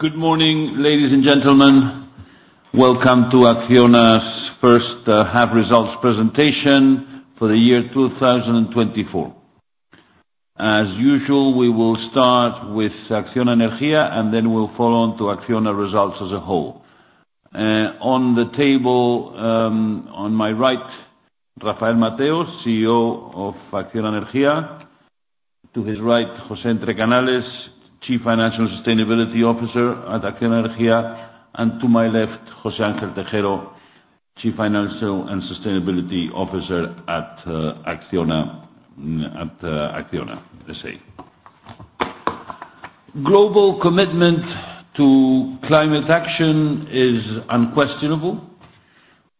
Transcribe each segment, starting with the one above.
Good morning, ladies and gentlemen. Welcome to Acciona's first half results presentation for the year 2024. As usual, we will start with Acciona Energía, and then we'll follow on to Acciona results as a whole. On the table, on my right, Rafael Mateo, CEO of Acciona Energía. To his right, José Entrecanales, Chief Financial and Sustainability Officer at Acciona Energía, and to my left, José Ángel Tejero, Chief Financial and Sustainability Officer at Acciona per se. Global commitment to climate action is unquestionable.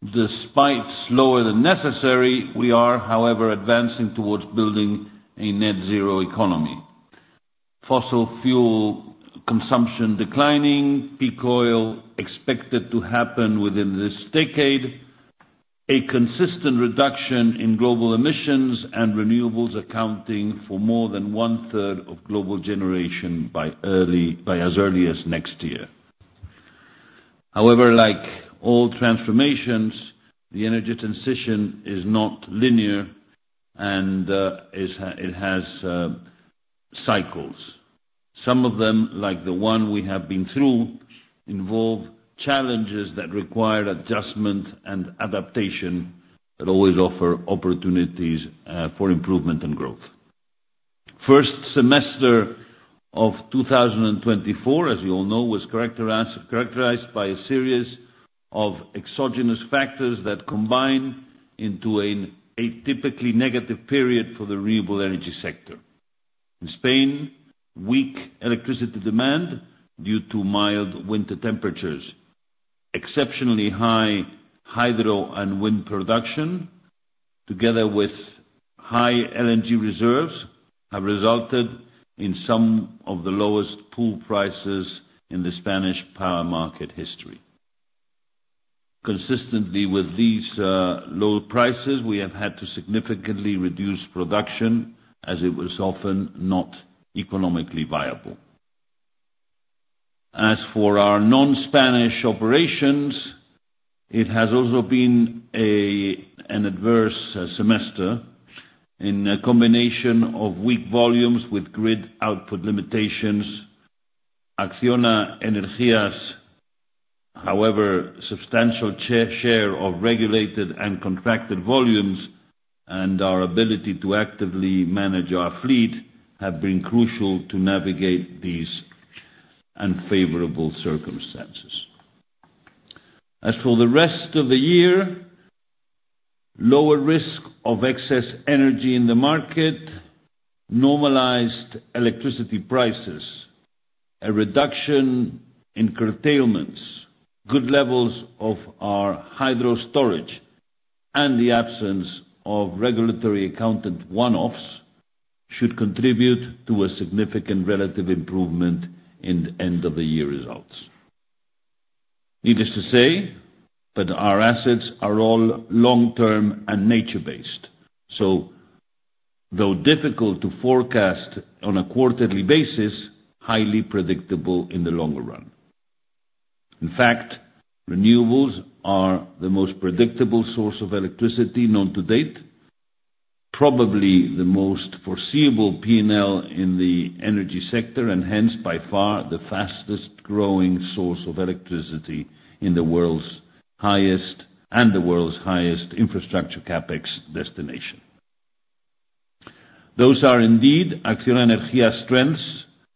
Despite slower than necessary, we are, however, advancing towards building a net zero economy. Fossil fuel consumption declining, peak oil expected to happen within this decade, a consistent reduction in global emissions and renewables accounting for more than one-third of global generation by as early as next year. However, like all transformations, the energy transition is not linear, and it has cycles. Some of them, like the one we have been through, involve challenges that require adjustment and adaptation, but always offer opportunities for improvement and growth. First semester of 2024, as you all know, was characterized by a series of exogenous factors that combine into a typically negative period for the renewable energy sector. In Spain, weak electricity demand due to mild winter temperatures, exceptionally high hydro and wind production, together with high LNG reserves, have resulted in some of the lowest pool prices in the Spanish power market history. Consistently, with these low prices, we have had to significantly reduce production, as it was often not economically viable. As for our non-Spanish operations, it has also been an adverse semester in a combination of weak volumes with grid output limitations. Acciona Energía, however, substantial share of regulated and contracted volumes, and our ability to actively manage our fleet, have been crucial to navigate these unfavorable circumstances. As for the rest of the year, lower risk of excess energy in the market, normalized electricity prices, a reduction in curtailments, good levels of our hydro storage, and the absence of regulatory accounted one-offs, should contribute to a significant relative improvement in the end-of-the-year results. Needless to say, that our assets are all long-term and nature-based, so though difficult to forecast on a quarterly basis, highly predictable in the longer run. In fact, renewables are the most predictable source of electricity known to date, probably the most foreseeable P&L in the energy sector, and hence, by far, the fastest-growing source of electricity in the world's highest, and the world's highest infrastructure CapEx destination. Those are indeed Acciona Energía's strengths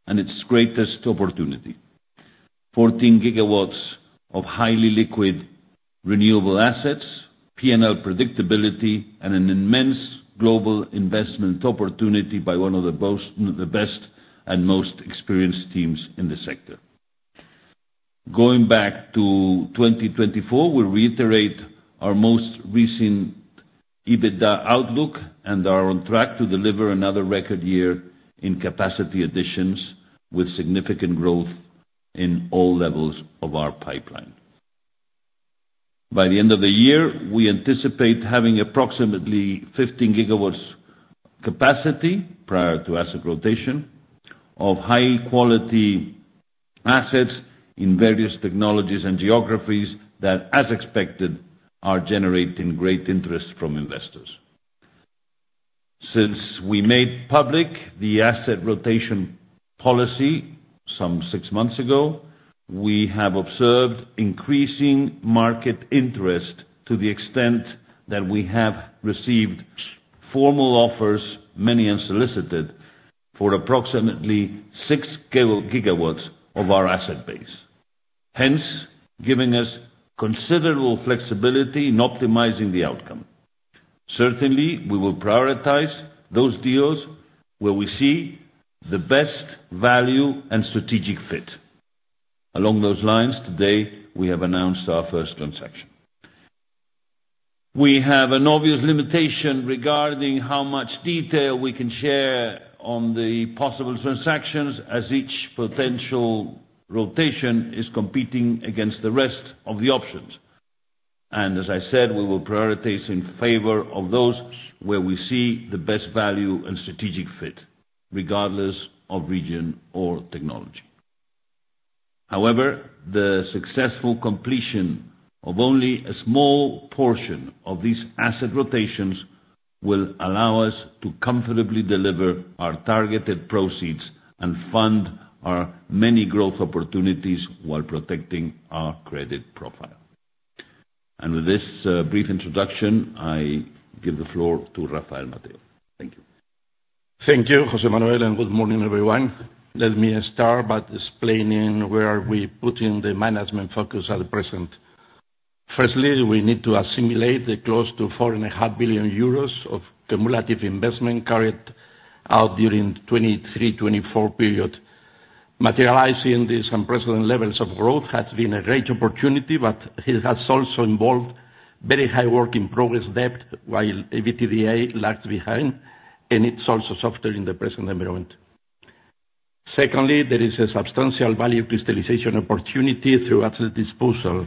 and its greatest opportunity. 14 GW of highly liquid, renewable assets, P&L predictability, and an immense global investment opportunity by one of the most, the best and most experienced teams in the sector. Going back to 2024, we reiterate our most recent EBITDA outlook and are on track to deliver another record year in capacity additions, with significant growth in all levels of our pipeline. By the end of the year, we anticipate having approximately 15 GW capacity, prior to asset rotation, of high-quality assets in various technologies and geographies that, as expected, are generating great interest from investors. Since we made public the asset rotation policy some six months ago, we have observed increasing market interest to the extent that we have received formal offers, many unsolicited, for approximately 6 GW of our asset base, hence, giving us considerable flexibility in optimizing the outcome. Certainly, we will prioritize those deals where we see the best value and strategic fit. Along those lines, today, we have announced our first transaction. We have an obvious limitation regarding how much detail we can share on the possible transactions, as each potential rotation is competing against the rest of the options. As I said, we will prioritize in favor of those where we see the best value and strategic fit, regardless of region or technology. However, the successful completion of only a small portion of these asset rotations will allow us to comfortably deliver our targeted proceeds and fund our many growth opportunities while protecting our credit profile. And with this, brief introduction, I give the floor to Rafael Mateo. Thank you. Thank you, José Manuel, and good morning, everyone. Let me start by explaining where are we putting the management focus at present. Firstly, we need to assimilate the close to 4.5 billion euros of cumulative investment carried out during 2023-2024 period. Materializing these unprecedented levels of growth has been a great opportunity, but it has also involved very high work in progress debt, while EBITDA lags behind, and it's also softer in the present environment. Secondly, there is a substantial value crystallization opportunity through asset disposal,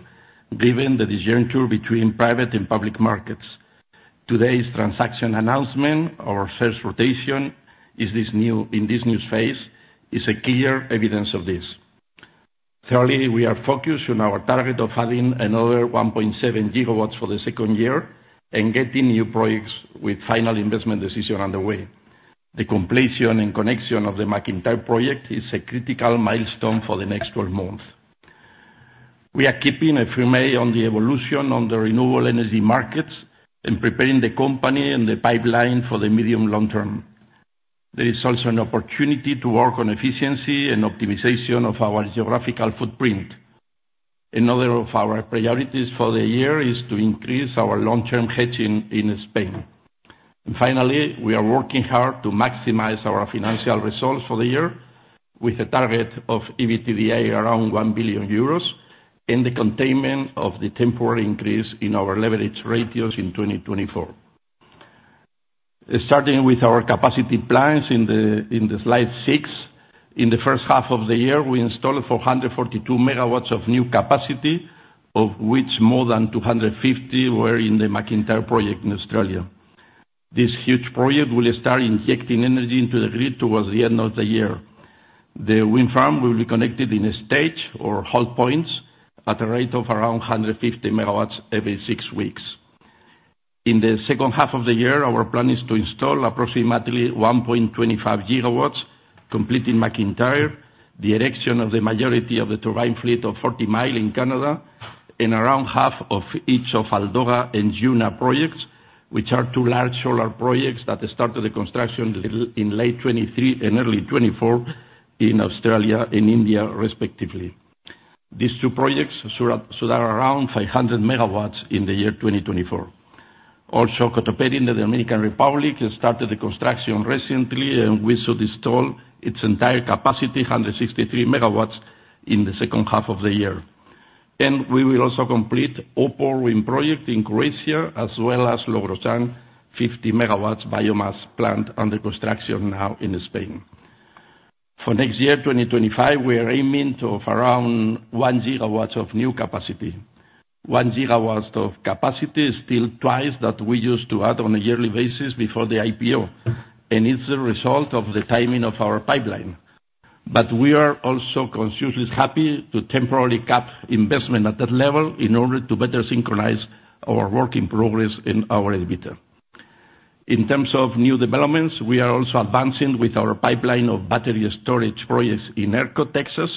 given the disjunction between private and public markets. Today's transaction announcement or sales rotation in this new phase is a clear evidence of this. Thirdly, we are focused on our target of adding another 1.7 GW for the second year and getting new projects with final investment decision underway. The completion and connection of the MacIntyre project is a critical milestone for the next 12 months. We are keeping a firm eye on the evolution of the renewable energy markets and preparing the company and the pipeline for the medium long term. There is also an opportunity to work on efficiency and optimization of our geographical footprint. Another of our priorities for the year is to increase our long-term hedging in Spain. Finally, we are working hard to maximize our financial results for the year, with a target of EBITDA around 1 billion euros, and the containment of the temporary increase in our leverage ratios in 2024. Starting with our capacity plans in the slide six, in the first half of the year, we installed 442 MW of new capacity, of which more than 250 were in the MacIntyre project in Australia. This huge project will start injecting energy into the grid towards the end of the year. The wind farm will be connected in a stage or whole points at a rate of around 150 MW every six weeks. In the second half of the year, our plan is to install approximately 1.25 GW, completing MacIntyre, the erection of the majority of the turbine fleet of Forty Mile in Canada, and around half of each of Aldoga and Juna projects, which are two large solar projects that started the construction in late 2023 and early 2024 in Australia and India, respectively. These two projects should add around 500 MW in 2024. Also, Cotoperi in the Dominican Republic has started the construction recently, and we should install its entire capacity, 163 MW, in the second half of the year. We will also complete Opor wind project in Croatia, as well as Logrosan, 50 MW biomass plant under construction now in Spain. For next year, 2025, we are aiming for around 1 GW of new capacity. 1 GW of capacity is still twice that we used to add on a yearly basis before the IPO, and it's the result of the timing of our pipeline. But we are also consciously happy to temporarily cap investment at that level in order to better synchronize our work in progress and our EBITDA. In terms of new developments, we are also advancing with our pipeline of battery storage projects in ERCOT, Texas,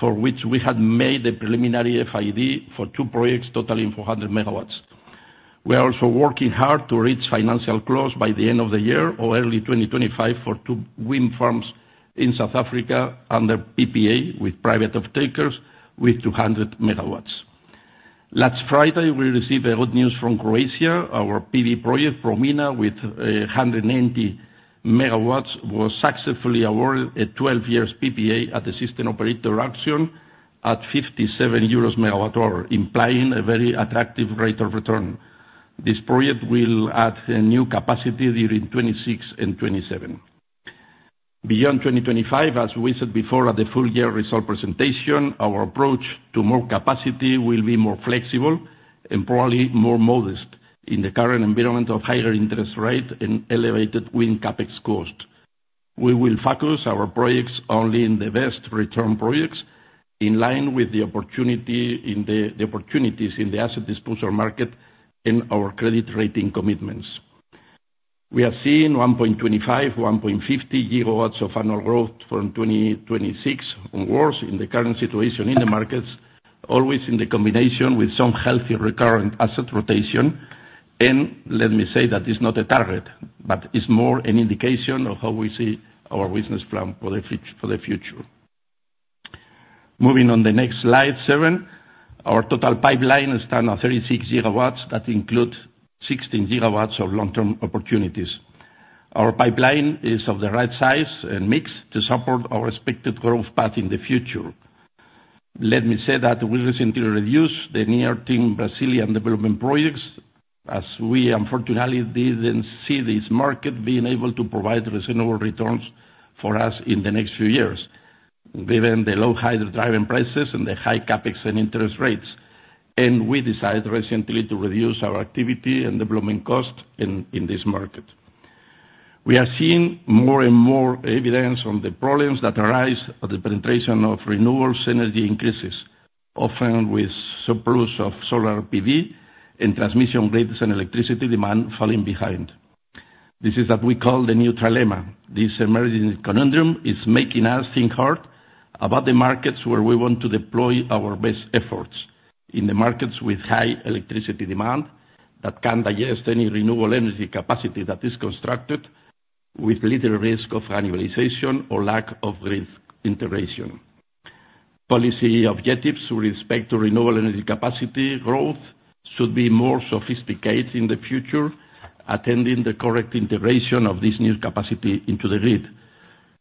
for which we have made a preliminary FID for two projects totaling 400 MW. We are also working hard to reach financial close by the end of the year or early 2025 for two wind farms in South Africa under PPA, with private off-takers with 200 MW. Last Friday, we received a good news from Croatia. Our PV project, Promina, with 180 MW, was successfully awarded a 12-year PPA at the system operator auction at 57 EUR/MWh, implying a very attractive rate of return. This project will add a new capacity during 2026 and 2027. Beyond 2025, as we said before at the full year result presentation, our approach to more capacity will be more flexible and probably more modest in the current environment of higher interest rate and elevated wind CapEx cost. We will focus our projects only in the best return projects, in line with the opportunities in the asset disposal market and our credit rating commitments. We are seeing 1.25-1.50 GW of annual growth from 2026 onwards in the current situation in the markets, always in the combination with some healthy recurrent asset rotation. And let me say that is not a target, but it's more an indication of how we see our business plan for the future. Moving on the next slide 7. Our total pipeline stands at 36 GW. That includes 16 GW of long-term opportunities. Our pipeline is of the right size and mix to support our expected growth path in the future. Let me say that we recently reduced the near-term Brazilian development projects, as we unfortunately didn't see this market being able to provide reasonable returns for us in the next few years, given the low hydro-driven prices and the high CapEx and interest rates, and we decided recently to reduce our activity and development cost in this market. We are seeing more and more evidence on the problems that arise as the penetration of renewable energy increases, often with surplus of solar PV and transmission constraints and electricity demand falling behind. This is what we call the cannibalization. This emerging conundrum is making us think hard about the markets where we want to deploy our best efforts, in the markets with high electricity demand that can digest any renewable energy capacity that is constructed, with little risk of annualization or lack of grid integration. Policy objectives with respect to renewable energy capacity growth should be more sophisticated in the future, attending the correct integration of this new capacity into the grid,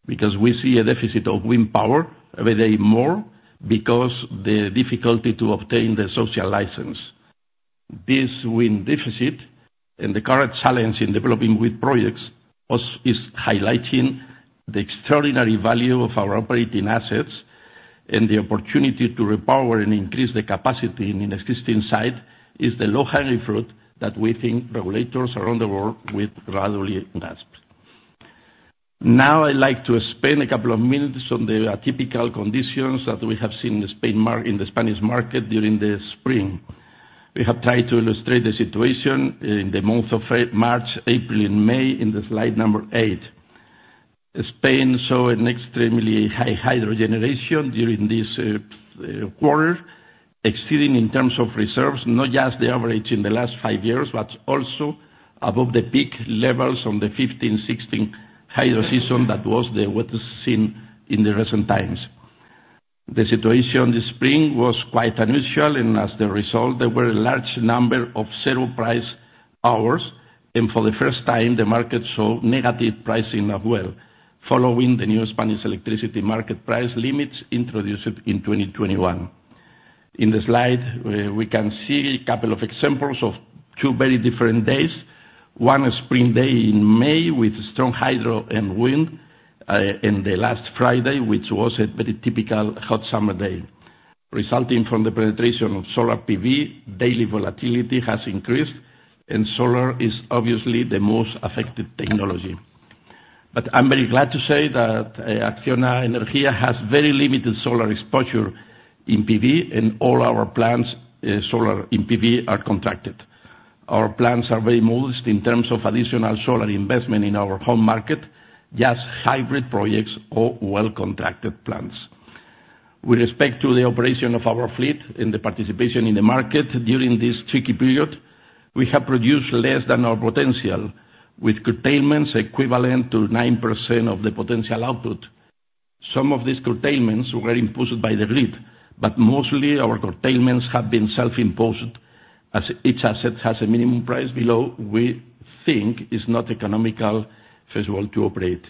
because we see a deficit of wind power every day more because the difficulty to obtain the social license. This wind deficit and the current challenge in developing wind projects also is highlighting the extraordinary value of our operating assets, and the opportunity to repower and increase the capacity in an existing site is the low-hanging fruit that we think regulators around the world will gradually grasp. Now, I'd like to spend a couple of minutes on the typical conditions that we have seen in the Spanish market during the spring. We have tried to illustrate the situation in the month of March, April, and May, in the slide number 8. Spain saw an extremely high hydro generation during this quarter, exceeding in terms of reserves, not just the average in the last five years, but also above the peak levels on the 15, 16 hydro season that was there, what is seen in the recent times. The situation this spring was quite unusual, and as the result, there were a large number of zero price hours, and for the first time, the market saw negative pricing as well, following the new Spanish electricity market price limits introduced in 2021. In the slide, we can see a couple of examples of two very different days. One, a spring day in May with strong hydro and wind, and the last Friday, which was a very typical hot summer day. Resulting from the penetration of solar PV, daily volatility has increased, and solar is obviously the most affected technology. But I'm very glad to say that, Acciona Energía has very limited solar exposure in PV, and all our plants, solar in PV, are contracted. Our plants are very modest in terms of additional solar investment in our home market, just hybrid projects or well-contracted plants. With respect to the operation of our fleet and the participation in the market during this tricky period, we have produced less than our potential, with curtailments equivalent to 9% of the potential output. Some of these curtailments were imposed by the grid, but mostly our curtailments have been self-imposed, as each asset has a minimum price below we think is not economical, feasible to operate.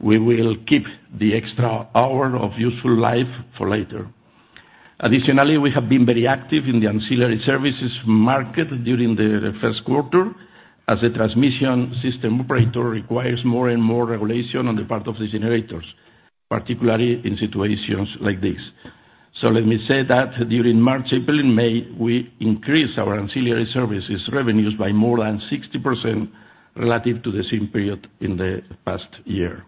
We will keep the extra hour of useful life for later. Additionally, we have been very active in the ancillary services market during the first quarter, as the transmission system operator requires more and more regulation on the part of the generators, particularly in situations like this. So let me say that during March, April, and May, we increased our ancillary services revenues by more than 60% relative to the same period in the past year.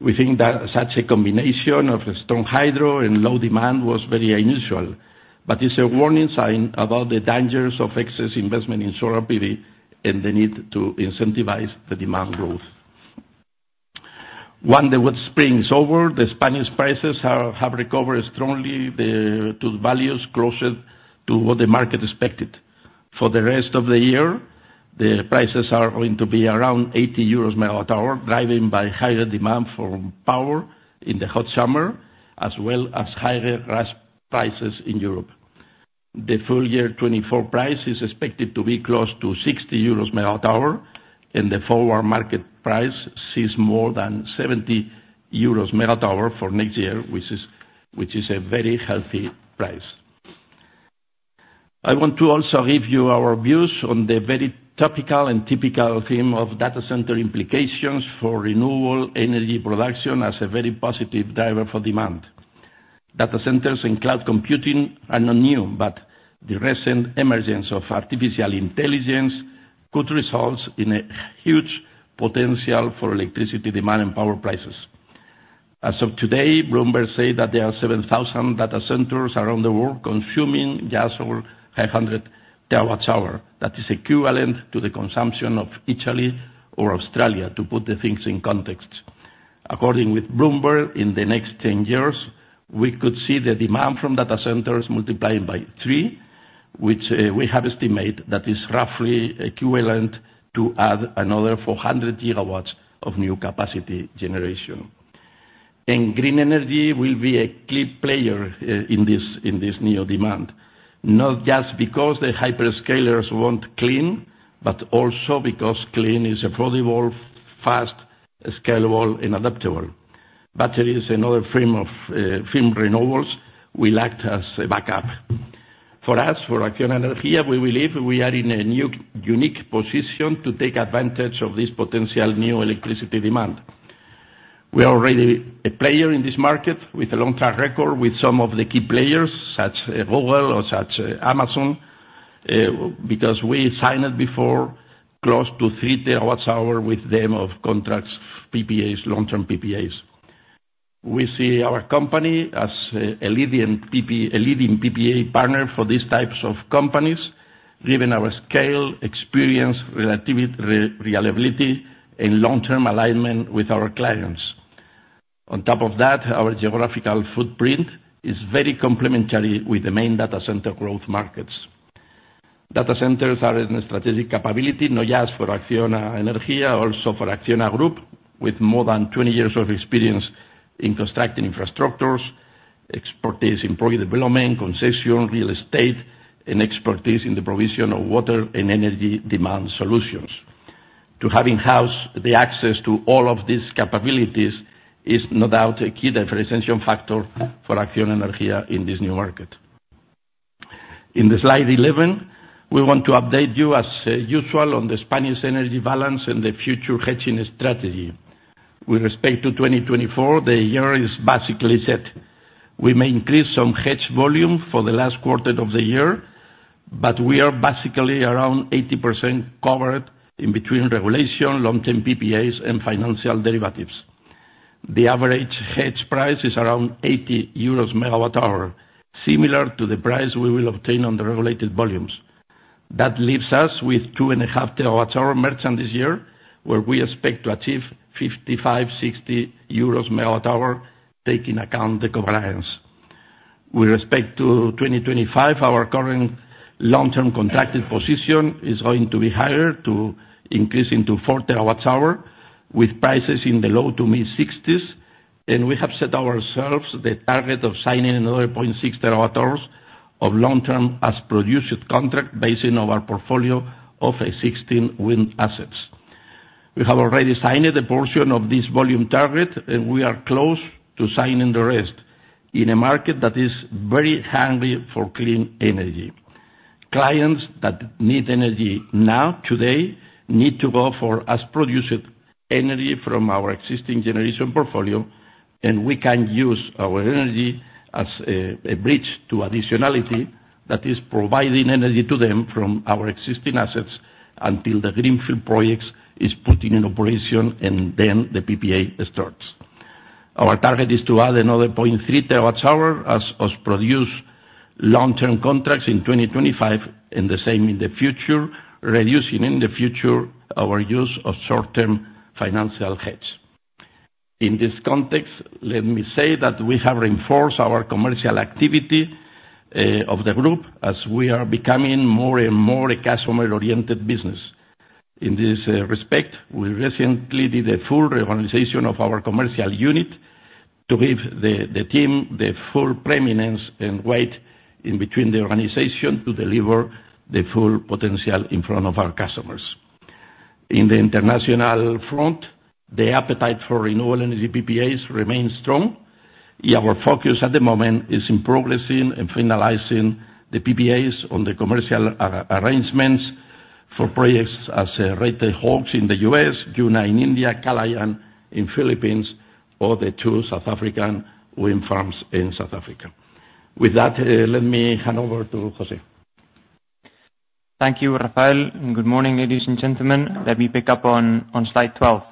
We think that such a combination of strong hydro and low demand was very unusual, but it's a warning sign about the dangers of excess investment in solar PV and the need to incentivize the demand growth. Once the wet spring is over, the Spanish prices have recovered strongly to values closer to what the market expected. For the rest of the year, the prices are going to be around 80 EUR/MWh, driven by higher demand for power in the hot summer, as well as higher gas prices in Europe. The full year 2024 price is expected to be close to 60 EUR/MWh, and the forward market price sees more than 70 EUR/MWh for next year, which is a very healthy price. I want to also give you our views on the very topical and typical theme of data center implications for renewable energy production as a very positive driver for demand. Data centers and cloud computing are not new, but the recent emergence of artificial intelligence could result in a huge potential for electricity demand and power prices. As of today, Bloomberg say that there are 7,000 data centers around the world consuming just over 500 TWh. That is equivalent to the consumption of Italy or Australia, to put the things in context. According to Bloomberg, in the next 10 years, we could see the demand from data centers multiplying by 3, which we have estimated that is roughly equivalent to add another 400 GW of new capacity generation. Green energy will be a key player in this, in this new demand, not just because the hyperscalers want clean, but also because clean is affordable, fast, scalable, and adaptable. Batteries and other form of form renewables will act as a backup... For us, for Acciona Energía, we believe we are in a new unique position to take advantage of this potential new electricity demand. We are already a player in this market with a long-term record with some of the key players, such as Google or such Amazon, because we signed before close to 3 TWh with them of contracts, PPAs, long-term PPAs. We see our company as a leading PPA partner for these types of companies, given our scale, experience, reliability, and long-term alignment with our clients. On top of that, our geographical footprint is very complementary with the main data center growth markets. Data centers are in a strategic capability, not just for Acciona Energía, also for Acciona Group, with more than 20 years of experience in constructing infrastructures, expertise in project development, concession, real estate, and expertise in the provision of water and energy demand solutions. To have in-house the access to all of these capabilities is no doubt a key differentiation factor for Acciona Energía in this new market. In the slide 11, we want to update you, as usual on the Spanish energy balance and the future hedging strategy. With respect to 2024, the year is basically set. We may increase some hedge volume for the last quarter of the year, but we are basically around 80% covered in between regulation, long-term PPAs, and financial derivatives. The average hedge price is around 80 euros/MWh, similar to the price we will obtain on the regulated volumes. That leaves us with 2.5 TWh merchant this year, where we expect to achieve 55-60 euros/MWh, taking account the covariance. With respect to 2025, our current long-term contracted position is going to be higher, to increase into 4 TWh, with prices in the low to mid-60s, and we have set ourselves the target of signing another 0.6 TWh of long-term as produced contract, basing our portfolio of existing wind assets. We have already signed the portion of this volume target, and we are close to signing the rest in a market that is very hungry for clean energy. Clients that need energy now, today, need to go for as-produced energy from our existing generation portfolio, and we can use our energy as a bridge to additionality that is providing energy to them from our existing assets until the greenfield projects is put in operation, and then the PPA starts. Our target is to add another 0.3 TWh as-produced long-term contracts in 2025, and the same in the future, reducing in the future our use of short-term financial hedge. In this context, let me say that we have reinforced our commercial activity of the group, as we are becoming more and more a customer-oriented business. In this respect, we recently did a full reorganization of our commercial unit to give the, the team the full preeminence and weight in between the organization to deliver the full potential in front of our customers. In the international front, the appetite for renewable energy PPAs remains strong. Our focus at the moment is in progressing and finalizing the PPAs on the commercial arrangements for projects as Red-Tailed Hawk in the U.S., Juna in India, Kalayaan in Philippines, or the two South African wind farms in South Africa. With that, let me hand over to Jose. Thank you, Rafael, and good morning, ladies and gentlemen. Let me pick up on slide 12.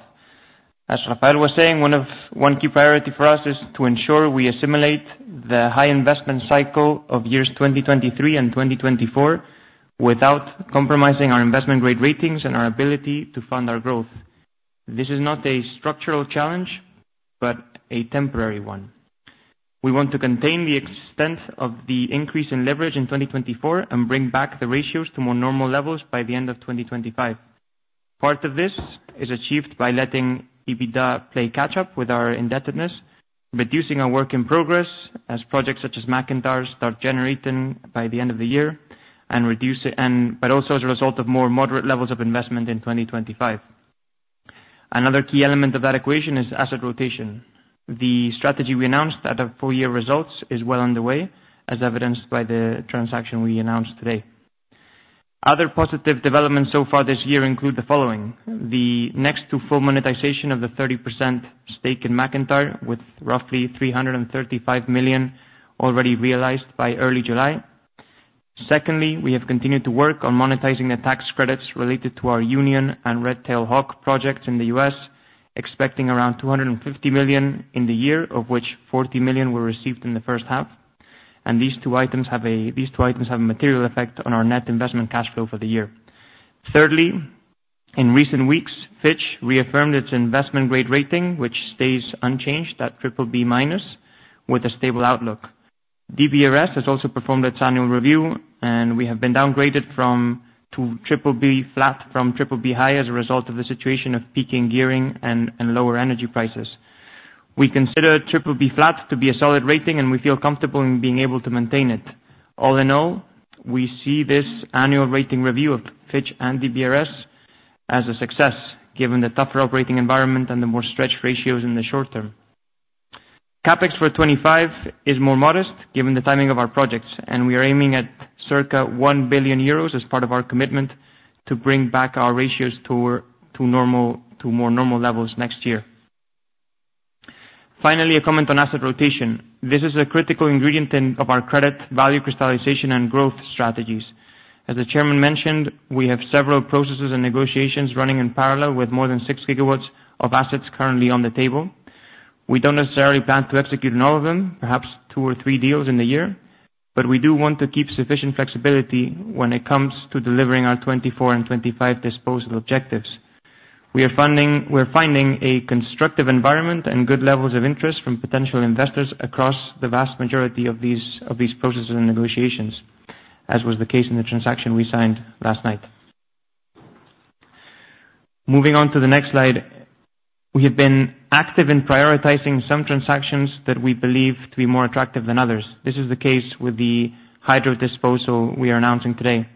As Rafael was saying, one key priority for us is to ensure we assimilate the high investment cycle of years 2023 and 2024, without compromising our investment-grade ratings and our ability to fund our growth. This is not a structural challenge, but a temporary one. We want to contain the extent of the increase in leverage in 2024 and bring back the ratios to more normal levels by the end of 2025. Part of this is achieved by letting EBITDA play catch up with our indebtedness, reducing our work in progress, as projects such as MacIntyre start generating by the end of the year, but also as a result of more moderate levels of investment in 2025. Another key element of that equation is asset rotation. The strategy we announced at our full year results is well underway, as evidenced by the transaction we announced today. Other positive developments so far this year include the following: the next to full monetization of the 30% stake in MacIntyre, with roughly 335 million already realized by early July. Secondly, we have continued to work on monetizing the tax credits related to our Union and Red-Tailed Hawk projects in the U.S., expecting around 250 million in the year, of which 40 million were received in the first half. These two items have a material effect on our net investment cash flow for the year. Thirdly, in recent weeks, Fitch reaffirmed its investment-grade rating, which stays unchanged at BBB-, with a stable outlook. DBRS has also performed its annual review, and we have been downgraded from, to triple B flat, from triple B high, as a result of the situation of peaking gearing and, and lower energy prices. We consider triple B flat to be a solid rating, and we feel comfortable in being able to maintain it. All in all, we see this annual rating review of Fitch and DBRS as a success, given the tougher operating environment and the more stretched ratios in the short term. CapEx for 2025 is more modest, given the timing of our projects, and we are aiming at circa 1 billion euros as part of our commitment to bring back our ratios toward, to normal, to more normal levels next year. Finally, a comment on asset rotation. This is a critical ingredient in, of our credit value crystallization and growth strategies. As the chairman mentioned, we have several processes and negotiations running in parallel with more than 6 GW of assets currently on the table. We don't necessarily plan to execute on all of them, perhaps two or three deals in a year, but we do want to keep sufficient flexibility when it comes to delivering our 2024 and 2025 disposal objectives. We're finding a constructive environment and good levels of interest from potential investors across the vast majority of these, of these processes and negotiations, as was the case in the transaction we signed last night. Moving on to the next slide. We have been active in prioritizing some transactions that we believe to be more attractive than others. This is the case with the hydro disposal we are announcing today.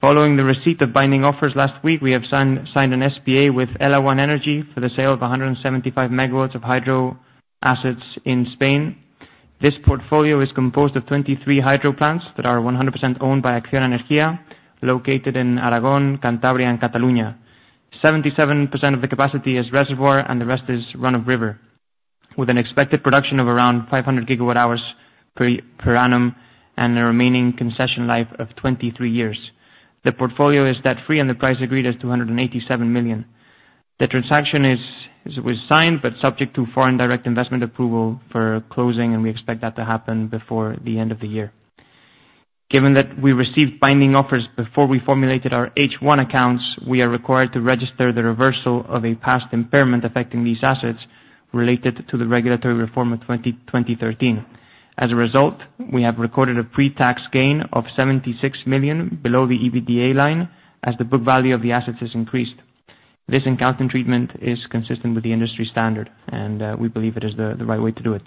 Following the receipt of binding offers last week, we have signed an SPA with Elawan Energy for the sale of 175 MW of hydro assets in Spain. This portfolio is composed of 23 hydro plants that are 100% owned by Acciona Energía, located in Aragón, Cantabria, and Catalunya. 77% of the capacity is reservoir, and the rest is run-of-river, with an expected production of around 500 GWh per annum, and a remaining concession life of 23 years. The portfolio is debt-free, and the price agreed is 287 million. The transaction was signed, but subject to foreign direct investment approval for closing, and we expect that to happen before the end of the year. Given that we received binding offers before we formulated our H1 accounts, we are required to register the reversal of a past impairment affecting these assets related to the regulatory reform of 2013. As a result, we have recorded a pre-tax gain of 76 million below the EBITDA line as the book value of the assets has increased. This accounting treatment is consistent with the industry standard, and we believe it is the right way to do it.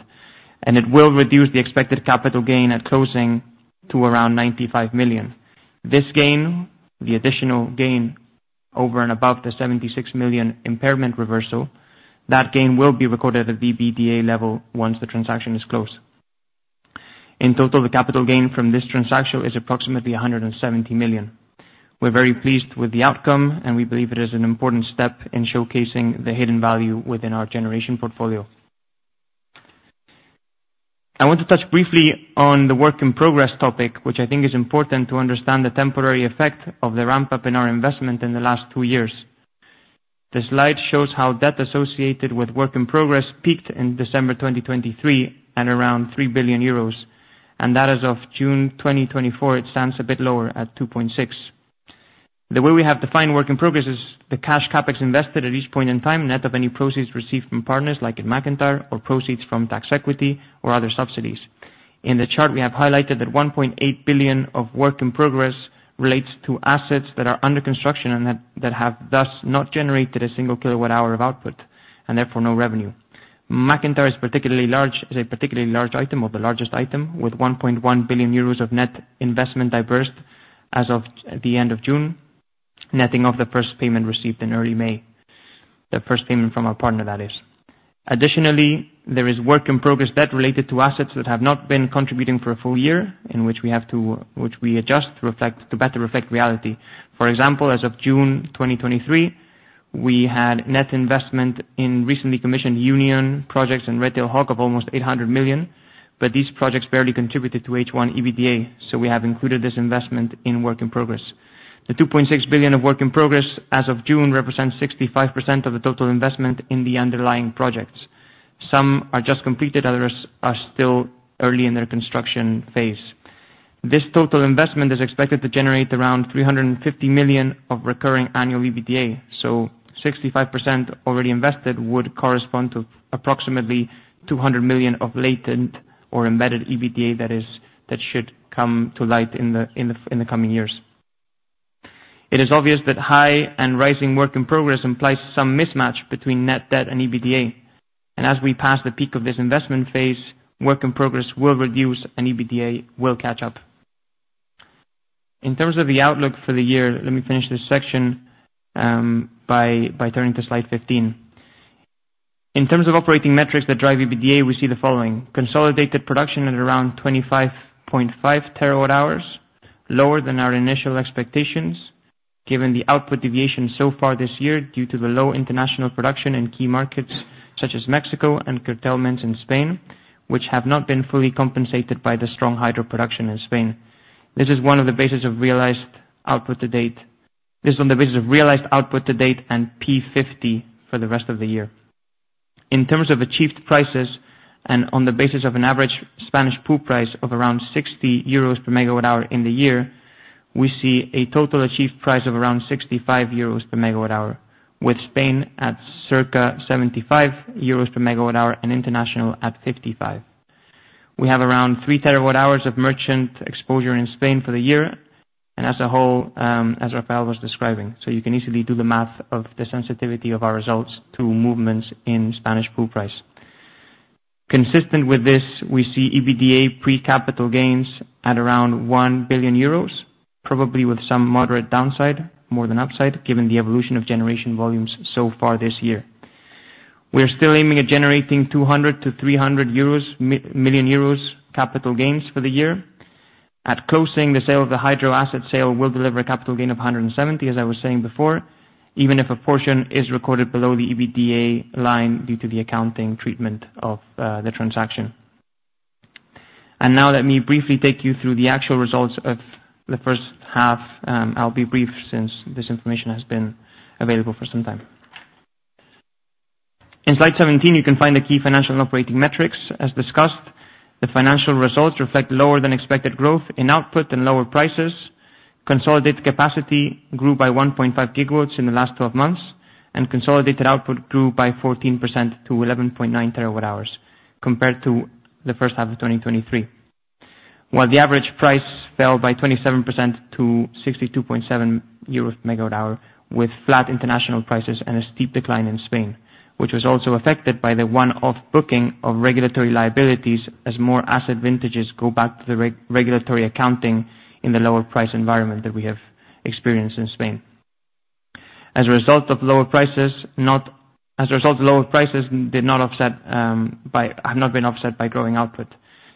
And it will reduce the expected capital gain at closing to around 95 million. This gain, the additional gain over and above the 76 million impairment reversal, that gain will be recorded at the EBITDA level once the transaction is closed. In total, the capital gain from this transaction is approximately 170 million. We're very pleased with the outcome, and we believe it is an important step in showcasing the hidden value within our generation portfolio. I want to touch briefly on the work in progress topic, which I think is important to understand the temporary effect of the ramp-up in our investment in the last two years. The slide shows how debt associated with work in progress peaked in December 2023, at around 3 billion euros, and that as of June 2024, it stands a bit lower at 2.6 billion. The way we have defined work in progress is the cash CapEx invested at each point in time, net of any proceeds received from partners, like in MacIntyre or proceeds from tax equity or other subsidies. In the chart, we have highlighted that 1.8 billion of work in progress relates to assets that are under construction and that, that have thus not generated a single kilowatt hour of output, and therefore no revenue. MacIntyre is particularly large, is a particularly large item, or the largest item, with 1.1 billion euros of net investment dispersed as of the end of June, netting off the first payment received in early May. The first payment from our partner, that is. Additionally, there is work in progress debt related to assets that have not been contributing for a full year, in which we have to... Which we adjust to reflect, to better reflect reality. For example, as of June 2023, we had net investment in recently commissioned Union projects and Red-Tailed Hawk of almost 800 million, but these projects barely contributed to H1 EBITDA, so we have included this investment in work in progress. The 2.6 billion of work in progress as of June represents 65% of the total investment in the underlying projects. Some are just completed, others are still early in their construction phase. This total investment is expected to generate around 350 million of recurring annual EBITDA, so 65% already invested would correspond to approximately 200 million of latent or embedded EBITDA, that is, that should come to light in the, in the, in the coming years. It is obvious that high and rising work in progress implies some mismatch between net debt and EBITDA, and as we pass the peak of this investment phase, work in progress will reduce and EBITDA will catch up. In terms of the outlook for the year, let me finish this section by turning to slide 15. In terms of operating metrics that drive EBITDA, we see the following: consolidated production at around 25.5 TWh, lower than our initial expectations, given the output deviation so far this year due to the low international production in key markets such as Mexico and curtailments in Spain, which have not been fully compensated by the strong hydro production in Spain. This is on the basis of realized output to date and P50 for the rest of the year. In terms of achieved prices and on the basis of an average Spanish pool price of around 60 euros per megawatt hour in the year, we see a total achieved price of around 65 euros per megawatt hour, with Spain at circa 75 euros per megawatt hour and international at 55. We have around 3 terawatt-hours of merchant exposure in Spain for the year, and as a whole, as Rafael was describing, so you can easily do the math of the sensitivity of our results through movements in Spanish pool price. Consistent with this, we see EBITDA pre-capital gains at around 1 billion euros.... probably with some moderate downside, more than upside, given the evolution of generation volumes so far this year. We are still aiming at generating 200 million to 300 million euros capital gains for the year. At closing, the sale of the hydro asset sale will deliver a capital gain of 170 million, as I was saying before, even if a portion is recorded below the EBITDA line due to the accounting treatment of the transaction. Now let me briefly take you through the actual results of the first half, I'll be brief since this information has been available for some time. In slide 17, you can find the key financial and operating metrics. As discussed, the financial results reflect lower than expected growth in output and lower prices. Consolidated capacity grew by 1.5 GW in the last 12 months, and consolidated output grew by 14% to 11.9 TWh, compared to the first half of 2023. While the average price fell by 27% to 62.7 euros/MWh, with flat international prices and a steep decline in Spain, which was also affected by the one-off booking of regulatory liabilities as more asset vintages go back to the re-regulatory accounting in the lower price environment that we have experienced in Spain. As a result of lower prices, the lower prices have not been offset by growing output.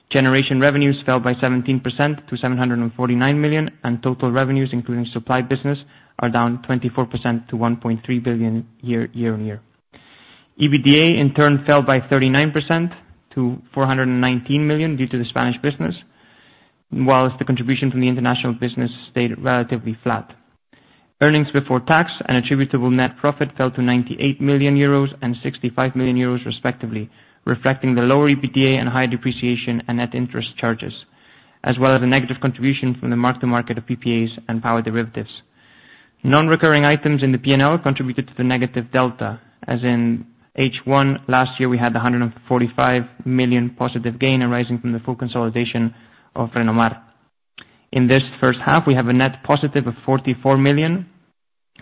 Generation revenues fell by 17% to 749 million, and total revenues, including supply business, are down 24% to 1.3 billion year-on-year. EBITDA, in turn, fell by 39% to 419 million due to the Spanish business, while the contribution from the international business stayed relatively flat. Earnings before tax and attributable net profit fell to 98 million euros and 65 million euros respectively, reflecting the lower EBITDA and high depreciation and net interest charges, as well as a negative contribution from the mark to market of PPAs and power derivatives. Non-recurring items in the P&L contributed to the negative delta, as in H1 last year, we had a 145 million positive gain arising from the full consolidation of Renomar. In this first half, we have a net positive of 44 million,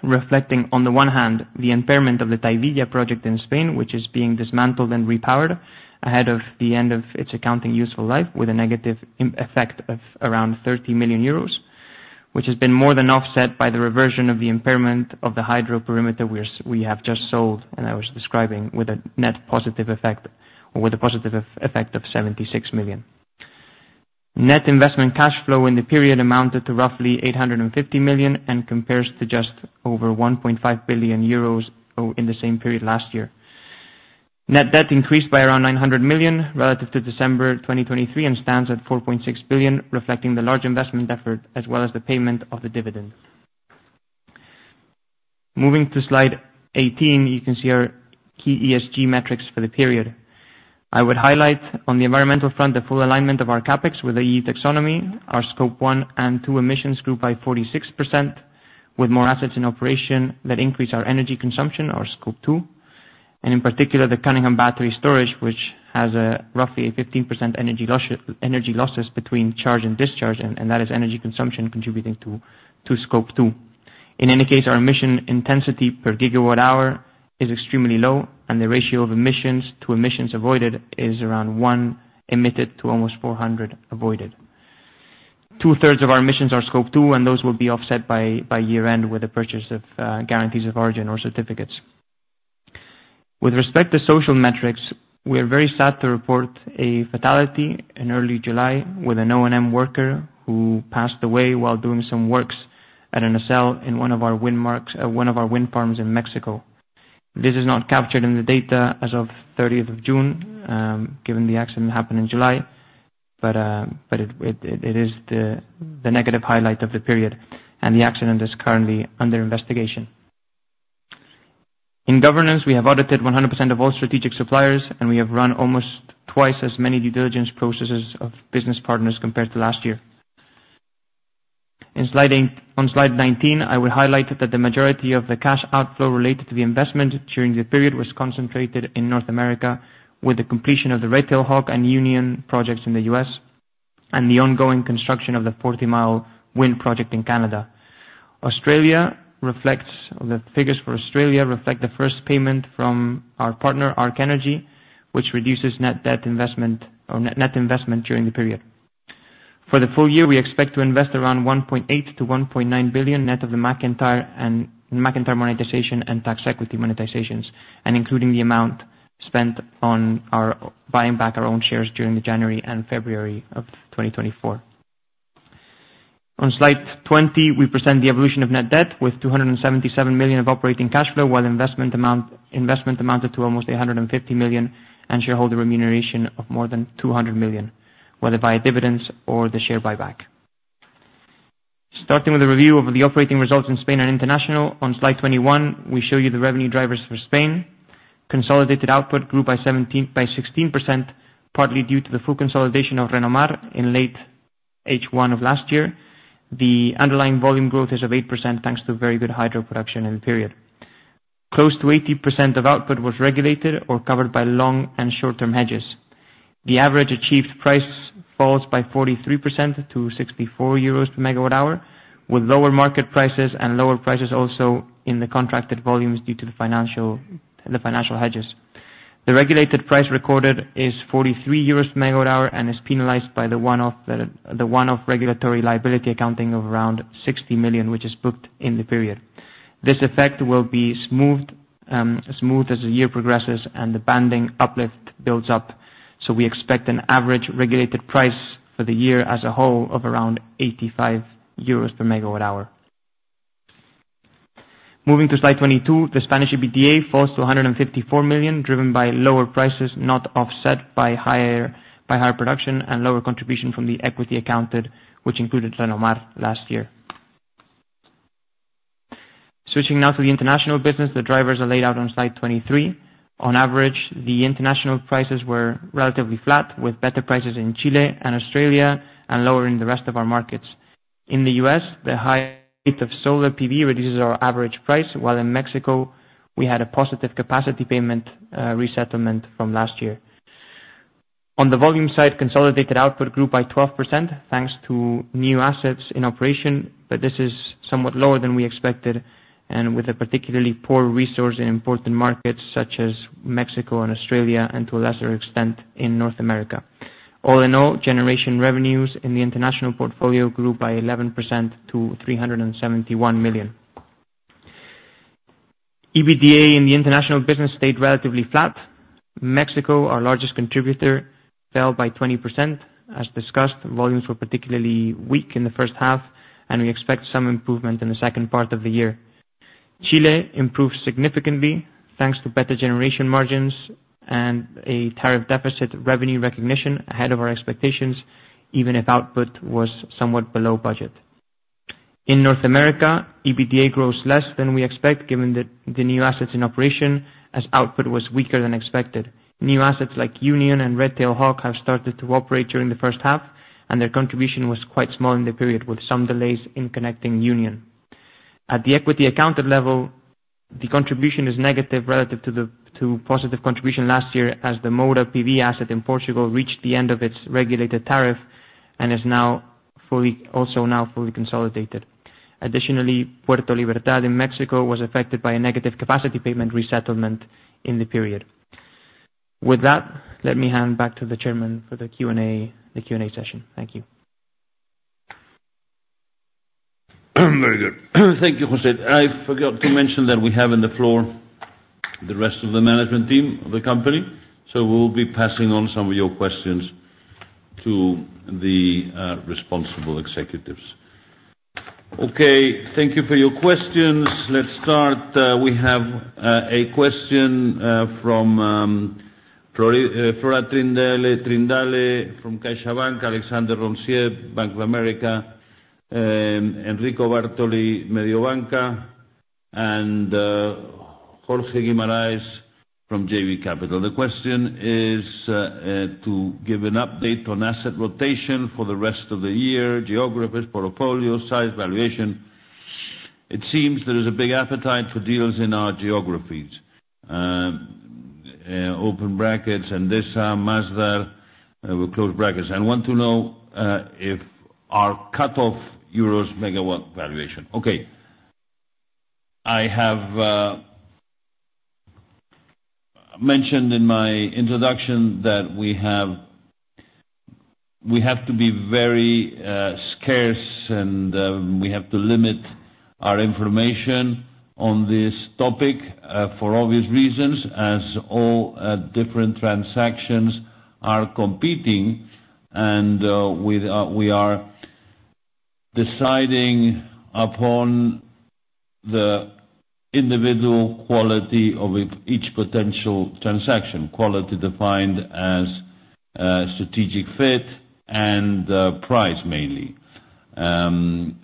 reflecting, on the one hand, the impairment of the Tahivilla project in Spain, which is being dismantled and repowered ahead of the end of its accounting useful life with a negative impact of around 30 million euros, which has been more than offset by the reversion of the impairment of the hydro perimeter, which we have just sold, and I was describing, with a net positive effect, or with a positive effect of 76 million. Net investment cash flow in the period amounted to roughly 850 million and compares to just over 1.5 billion euros in the same period last year. Net debt increased by around 900 million relative to December 2023, and stands at 4.6 billion, reflecting the large investment effort as well as the payment of the dividend. Moving to slide 18, you can see our key ESG metrics for the period. I would highlight on the environmental front, the full alignment of our CapEx with the EU taxonomy. Our scope 1 and 2 emissions grew by 46%, with more assets in operation that increase our energy consumption, our scope 2, and in particular, the Cunningham battery storage, which has a roughly 15% energy losses between charge and discharge, and that is energy consumption contributing to scope 2. In any case, our emission intensity per gigawatt hour is extremely low, and the ratio of emissions to emissions avoided is around one emitted to almost 400 avoided. Two-thirds of our emissions are scope 2, and those will be offset by year-end with the purchase of guarantees of origin or certificates. With respect to social metrics, we are very sad to report a fatality in early July with an O&M worker who passed away while doing some works at a cell in one of our wind farms in Mexico. This is not captured in the data as of thirtieth of June, given the accident happened in July. But it is the negative highlight of the period, and the accident is currently under investigation. In governance, we have audited 100% of all strategic suppliers, and we have run almost twice as many due diligence processes of business partners compared to last year. In slide eight, on slide nineteen, I will highlight that the majority of the cash outflow related to the investment during the period was concentrated in North America, with the completion of the Red-Tailed Hawk and Union projects in the U.S., and the ongoing construction of the Forty Mile wind project in Canada. Australia reflects... the figures for Australia reflect the first payment from our partner, Ark Energy, which reduces net debt investment or net, net investment during the period. For the full year, we expect to invest around 1.8 billion-1.9 billion net of the MacIntyre and MacIntyre monetization and tax equity monetizations, and including the amount spent on our buying back our own shares during January and February of 2024. On slide 20, we present the evolution of net debt with 277 million of operating cash flow, while investment amount, investment amounted to almost 850 million, and shareholder remuneration of more than 200 million, whether via dividends or the share buyback. Starting with a review of the operating results in Spain and international, on slide 21, we show you the revenue drivers for Spain. Consolidated output grew by 17, by 16%, partly due to the full consolidation of Renomar in late H1 of last year. The underlying volume growth is of 8%, thanks to very good hydro production in the period. Close to 80% of output was regulated or covered by long- and short-term hedges. The average achieved price falls by 43% to 64 euros per MWh, with lower market prices and lower prices also in the contracted volumes due to the financial hedges. The regulated price recorded is 43 euros per MWh, and is penalized by the one-off regulatory liability accounting of around 60 million, which is booked in the period. This effect will be smoothed as the year progresses and the banding uplift builds up. So we expect an average regulated price for the year as a whole of around 85 euros per MWh. Moving to slide 22, the Spanish EBITDA falls to 154 million, driven by lower prices, not offset by higher production and lower contribution from the equity accounted, which included Renomar last year. Switching now to the international business, the drivers are laid out on slide 23. On average, the international prices were relatively flat, with better prices in Chile and Australia, and lower in the rest of our markets. In the US, the high rate of solar PV reduces our average price, while in Mexico, we had a positive capacity payment, resettlement from last year. On the volume side, consolidated output grew by 12%, thanks to new assets in operation, but this is somewhat lower than we expected, and with a particularly poor resource in important markets such as Mexico and Australia, and to a lesser extent, in North America. All in all, generation revenues in the international portfolio grew by 11% to 371 million. EBITDA in the international business stayed relatively flat. Mexico, our largest contributor, fell by 20%. As discussed, volumes were particularly weak in the first half, and we expect some improvement in the second part of the year. Chile improved significantly, thanks to better generation margins and a tariff deficit revenue recognition ahead of our expectations, even if output was somewhat below budget. In North America, EBITDA grows less than we expect, given the new assets in operation, as output was weaker than expected. New assets like Union and Red-Tailed Hawk have started to operate during the first half, and their contribution was quite small in the period, with some delays in connecting Union. At the equity accounted level, the contribution is negative relative to the positive contribution last year, as the Moura PV asset in Portugal reached the end of its regulated tariff, and is now fully... also now fully consolidated. Additionally, Puerto Libertad in Mexico was affected by a negative capacity payment resettlement in the period. With that, let me hand back to the chairman for the Q&A, the Q&A session. Thank you. Very good. Thank you, Jose. I forgot to mention that we have on the floor the rest of the management team of the company, so we will be passing on some of your questions to the responsible executives. Okay, thank you for your questions. Let's start. We have a question from Flora Trindade from CaixaBank, Alexander Roncier, Bank of America, Enrico Bartoli, Mediobanca, and Jorge Guimaraes from JB Capital. The question is to give an update on asset rotation for the rest of the year, geographies, portfolio, size, valuation. It seems there is a big appetite for deals in our geographies. Open brackets, and this Masdar, we close brackets. I want to know if our cutoff euros megawatt valuation. Okay. I have mentioned in my introduction that we have to be very scarce, and we have to limit our information on this topic for obvious reasons, as all different transactions are competing, and we are deciding upon the individual quality of each potential transaction. Quality defined as strategic fit and price, mainly. And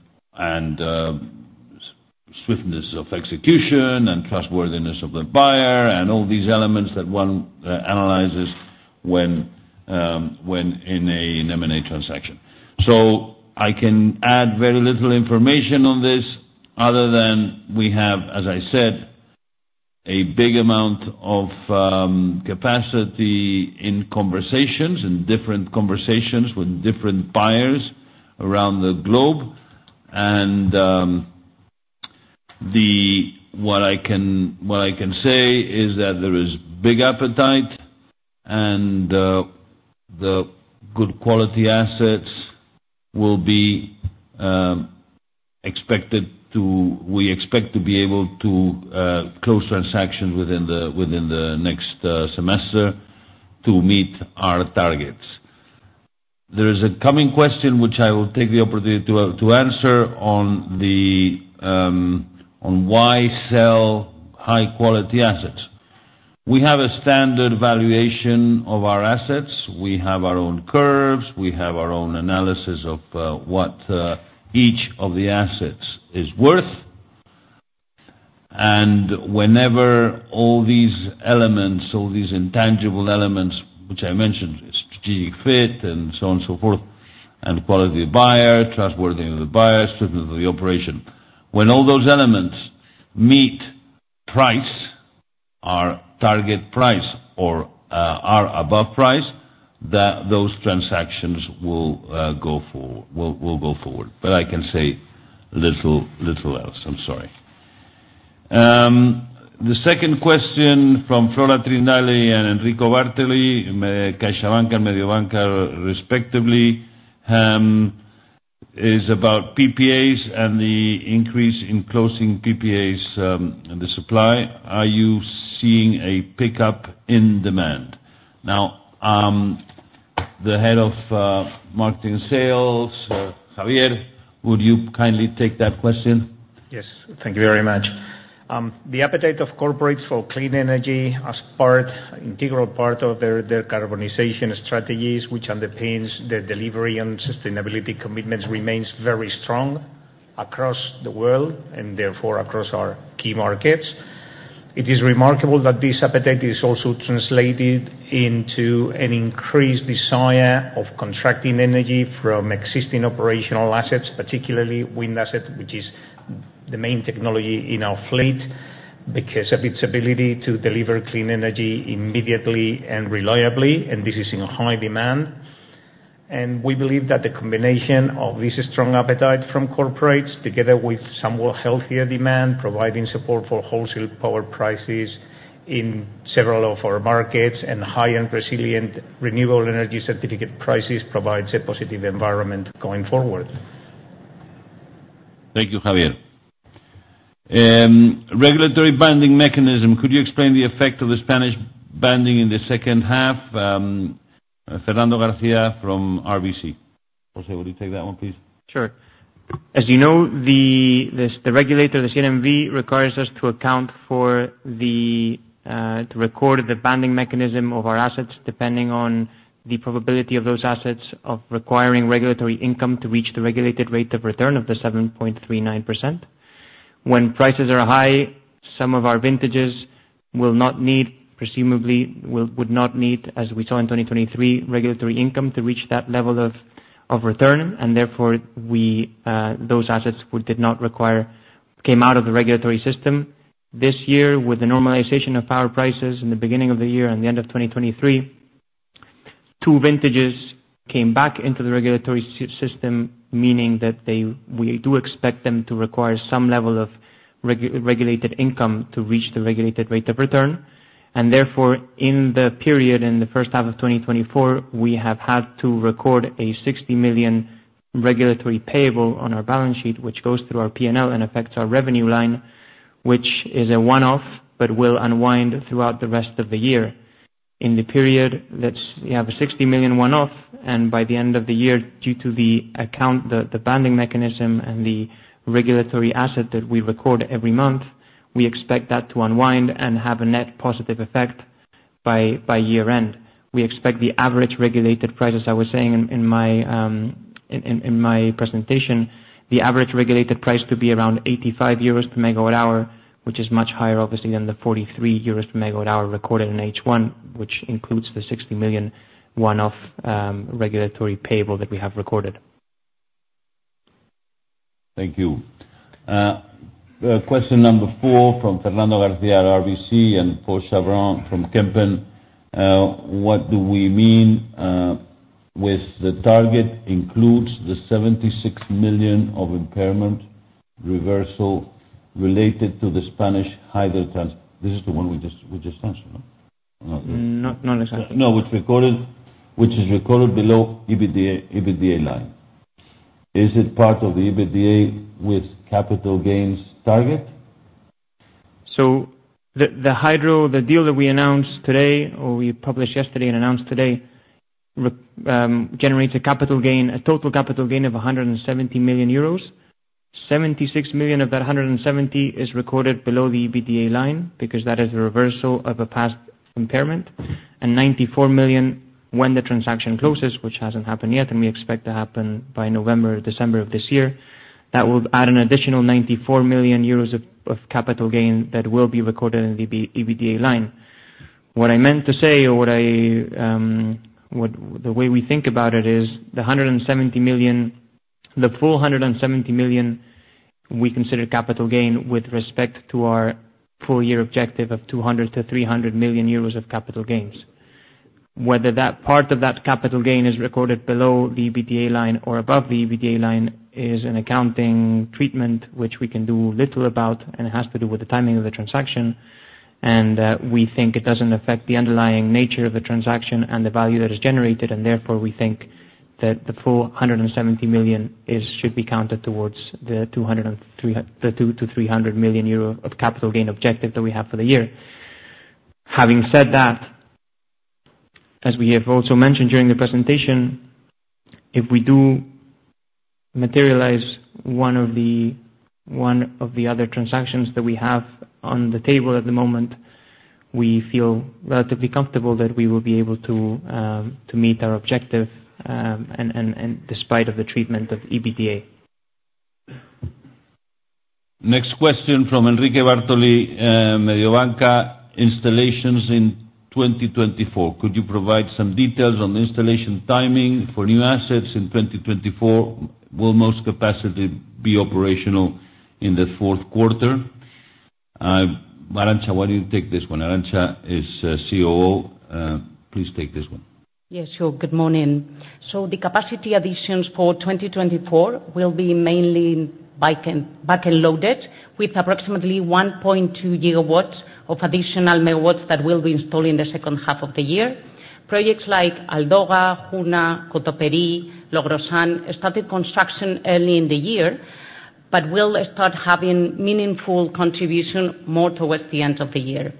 swiftness of execution and trustworthiness of the buyer, and all these elements that one analyzes when in an M&A transaction. So I can add very little information on this, other than we have, as I said, a big amount of capacity in conversations, in different conversations with different buyers around the globe. And the... What I can say is that there is big appetite, and the good quality assets will be expected to—we expect to be able to close transactions within the next semester to meet our targets. There is a coming question, which I will take the opportunity to answer on why sell high quality assets. We have a standard valuation of our assets. We have our own curves, we have our own analysis of what each of the assets is worth. And whenever all these elements, all these intangible elements, which I mentioned, strategic fit and so on, so forth, and quality of buyer, trustworthiness of the buyer, strength of the operation. When all those elements meet price, our target price, or are above price-... that those transactions will go forward, will go forward. But I can say little else, I'm sorry. The second question from Flora Trindade and Enrico Bartoli, from CaixaBank and Mediobanca, respectively, is about PPAs and the increase in closing PPAs, and the supply. Are you seeing a pickup in demand? Now, the head of marketing sales, Javier, would you kindly take that question? Yes, thank you very much. The appetite of corporates for clean energy as part, integral part of their, their decarbonization strategies, which underpins their delivery and sustainability commitments, remains very strong across the world, and therefore, across our key markets. It is remarkable that this appetite is also translated into an increased desire of contracting energy from existing operational assets, particularly wind asset, which is the main technology in our fleet, because of its ability to deliver clean energy immediately and reliably, and this is in high demand. And we believe that the combination of this strong appetite from corporates, together with somewhat healthier demand, providing support for wholesale power prices in several of our markets and high-end resilient renewable energy certificate prices, provides a positive environment going forward. Thank you, Javier. Regulatory banding mechanism, could you explain the effect of the Spanish banding in the second half, Fernando García from RBC? José, would you take that one, please? Sure. As you know, the regulator, the CNMC, requires us to account for the banding mechanism of our assets, depending on the probability of those assets requiring regulatory income to reach the regulated rate of return of 7.39%. When prices are high, some of our vintages will not need, presumably would not need, as we saw in 2023, regulatory income to reach that level of return, and therefore those assets we did not require came out of the regulatory system. This year, with the normalization of power prices in the beginning of the year and the end of 2023, two vintages came back into the regulatory system, meaning that they, we do expect them to require some level of regulated income to reach the regulated rate of return. Therefore, in the period, in the first half of 2024, we have had to record a 60 million regulatory payable on our balance sheet, which goes through our PNL and affects our revenue line, which is a one-off, but will unwind throughout the rest of the year. In the period, we have a 60 million one-off, and by the end of the year, due to the banding mechanism and the regulatory asset that we record every month, we expect that to unwind and have a net positive effect by year-end. We expect the average regulated price, as I was saying in my presentation, the average regulated price to be around 85 euros per megawatt hour, which is much higher, obviously, than the 43 euros per megawatt hour recorded in H1, which includes the 60 million one-off regulatory payable that we have recorded. Thank you. Question number 4, from Fernando Garcia at RBC and Paul Chevron from Kempen. What do we mean with the target includes the 76 million of impairment reversal related to the Spanish hydro assets? This is the one we just finished, no? Mm, not necessarily. No, it's recorded, which is recorded below EBITDA, EBITDA line. Is it part of the EBITDA with capital gains target? So the hydro deal that we announced today, or we published yesterday and announced today, generates a capital gain, a total capital gain of 170 million euros. 76 million of that 170 is recorded below the EBITDA line, because that is a reversal of a past impairment. Ninety-four million when the transaction closes, which hasn't happened yet, and we expect to happen by November, December of this year, that will add an additional 94 million euros of capital gain that will be recorded in the EBITDA line. What I meant to say, or what I, what... The way we think about it is, the 170 million, the full 170 million, we consider capital gain with respect to our full year objective of 200 million-300 million euros of capital gains. Whether that part of that capital gain is recorded below the EBITDA line or above the EBITDA line, is an accounting treatment, which we can do little about, and it has to do with the timing of the transaction. And, we think it doesn't affect the underlying nature of the transaction and the value that is generated, and therefore, we think that the full 170 million is, should be counted towards the 200-300 million euro of capital gain objective that we have for the year. Having said that, as we have also mentioned during the presentation, if we do materialize one of the other transactions that we have on the table at the moment, we feel relatively comfortable that we will be able to to meet our objective, and despite of the treatment of EBITDA. Next question from Enrico Bartoli, Mediobanca. Installations in 2024, could you provide some details on the installation timing for new assets in 2024? Will most capacity be operational in the fourth quarter? Arantza, why don't you take this one? Arantza is COO. Please take this one. Yes, sure. Good morning. So the capacity additions for 2024 will be mainly wind and solar, with approximately 1.2 GW of additional megawatts that will be installed in the second half of the year. Projects like Aldoga, Juna, Cotoperi, Logrosan, started construction early in the year, but will start having meaningful contribution more towards the end of the year.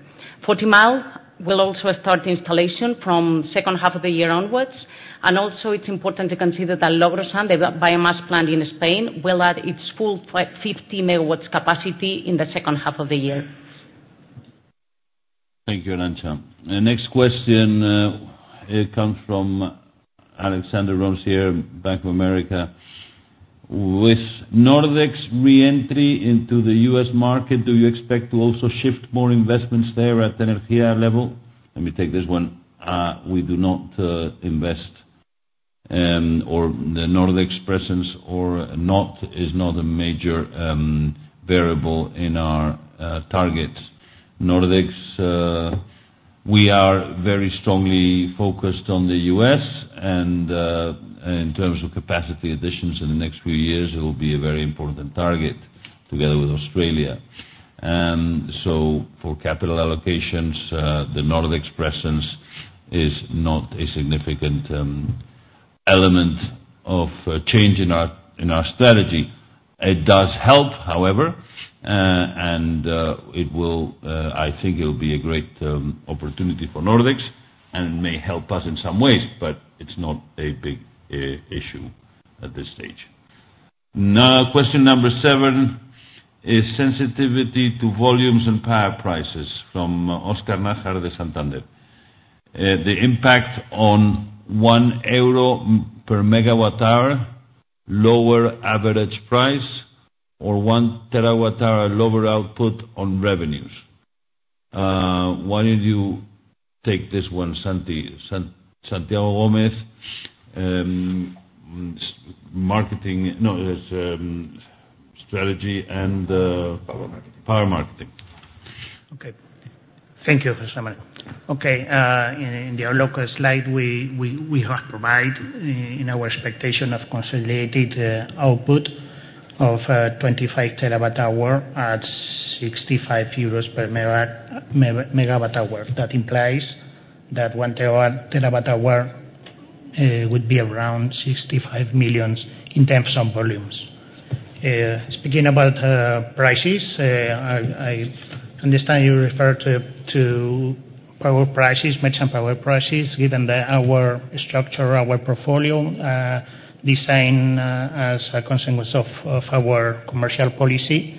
Forty Mile will also start installation from second half of the year onwards, and also it's important to consider that Logrosan, the biomass plant in Spain, will add its full 50 megawatts capacity in the second half of the year. Thank you, Arantza. The next question, it comes from Alexander Roncier, Bank of America: With Nordex re-entry into the U.S. market, do you expect to also shift more investments there at the level? Let me take this one. We do not invest, or the Nordex presence or not, is not a major variable in our targets. Nordex, we are very strongly focused on the U.S. and in terms of capacity additions in the next few years, it will be a very important target together with Australia. So for capital allocations, the Nordex presence is not a significant element of change in our strategy. It does help, however, and it will, I think it will be a great opportunity for Nordex, and may help us in some ways, but it's not a big issue at this stage. Now, question number 7 is sensitivity to volumes and power prices, from Oscar Najera de Santander. The impact on 1 euro per MWh lower average price, or 1 TWh lower output on revenues. Why don't you take this one, Santi? Santiago Gomez, marketing... No, it's strategy and, Power marketing. Power marketing. Okay. Thank you, José Manuel. Okay, in the local slide, we have provided in our expectation of consolidated output of 25 TWh at 65 euros per MWh. That implies that 1 TWh would be around 65 million in terms of volumes. Speaking about prices, I understand you refer to power prices, merchant power prices, given that our structure, our portfolio, designed as a consequence of our commercial policy.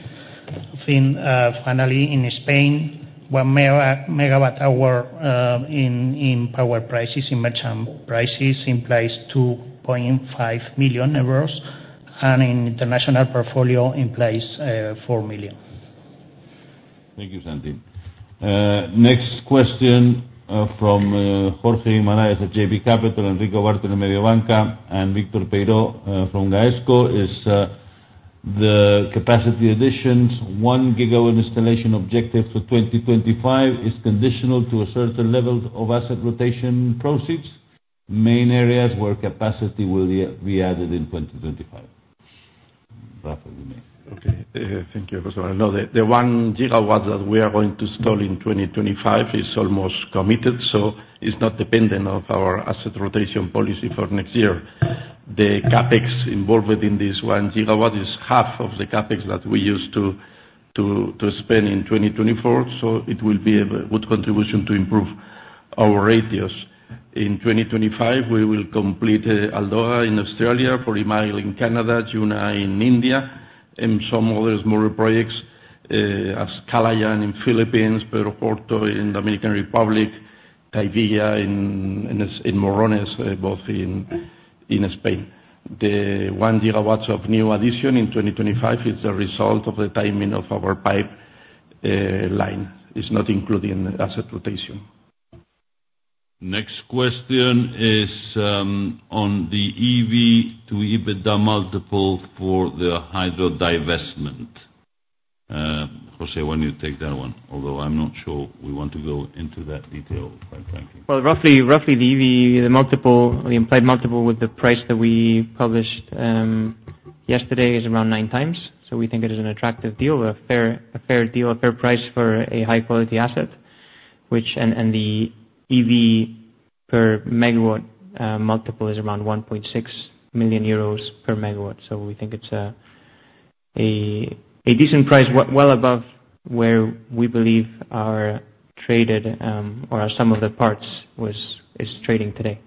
Then, finally, in Spain, 1 MWh in power prices, in merchant prices, implies 2.5 million euros, and in international portfolio implies 4 million EUR. Thank you, Santi. Next question from Jorge Amaral at JB Capital, Enrico Bartoli from Mediobanca, and Victor Peiro from Gaesco is the capacity additions, 1 GW installation objective for 2025, is conditional to a certain level of asset rotation proceeds, main areas where capacity will be added in 2025. Rafael? Okay, thank you, José. No, the 1 gigawatt that we are going to install in 2025 is almost committed, so it's not dependent on our asset rotation policy for next year. The CapEx involved within this 1 gigawatt is half of the CapEx that we used to spend in 2024, so it will be a good contribution to improve our ratios. In 2025, we will complete Aldoga in Australia, Forty Mile in Canada, Juna in India, and some other smaller projects, as Kalayaan in Philippines, Pedro Corto in Dominican Republic, Cavia in Morones, both in Spain. The 1 gigawatts of new addition in 2025 is a result of the timing of our pipeline. It's not including asset rotation. Next question is, on the EV/EBITDA multiple for the hydro divestment. José, why don't you take that one? Although I'm not sure we want to go into that detail, but thank you. Well, roughly, roughly the EV, the multiple, the implied multiple with the price that we published yesterday, is around 9x. So we think it is an attractive deal, a fair, a fair deal, a fair price for a high-quality asset, which and the EV per megawatt multiple is around 1.6 million euros per megawatt. So we think it's a, a, a decent price, well above where we believe our traded or some of the parts was, is trading today.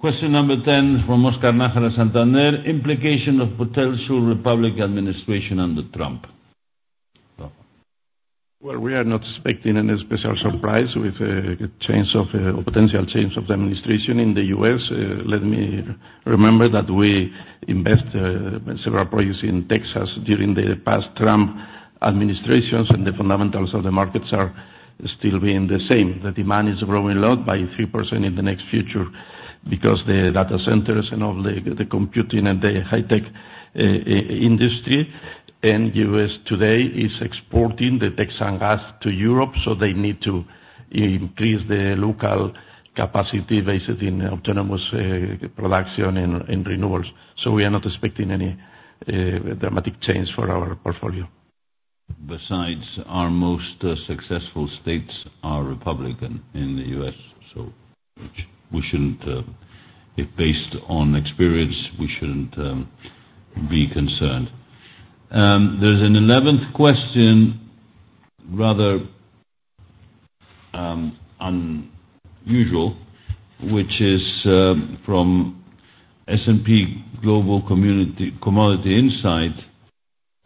Question number 10 from Oscar Najera, Santander: Implication of potential Republican administration under Trump. Go. Well, we are not expecting any special surprise with change of potential change of the administration in the U.S. Let me remember that we invest several projects in Texas during the past Trump administrations and the fundamentals of the markets are still being the same. The demand is growing a lot, by 3% in the next future, because the data centers and all the, the computing and the high tech industry, and U.S. today is exporting the Texan gas to Europe, so they need to increase the local capacity based in autonomous production and renewables. So we are not expecting any dramatic change for our portfolio. Besides, our most successful states are Republican in the U.S., so we shouldn't, if based on experience, we shouldn't be concerned. There's an eleventh question, rather unusual, which is from S&P Global Commodity Insights,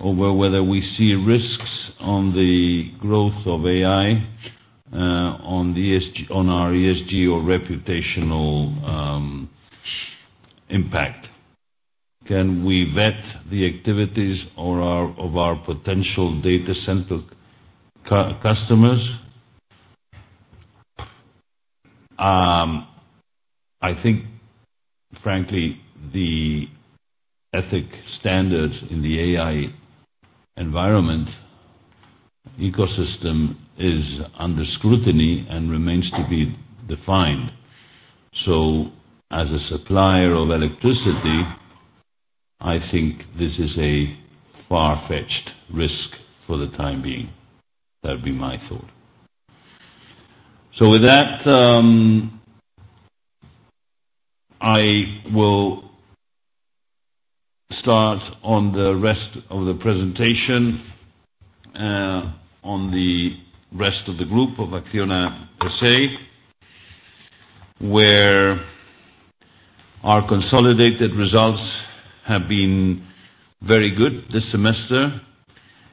over whether we see risks on the growth of AI on the ESG, on our ESG or reputational impact. Can we vet the activities or our, of our potential data center customers? I think, frankly, the ethical standards in the AI environment ecosystem is under scrutiny and remains to be defined. So as a supplier of electricity, I think this is a far-fetched risk for the time being. That'd be my thought. So with that, I will start on the rest of the presentation, on the rest of the group of Acciona per se, where our consolidated results have been very good this semester,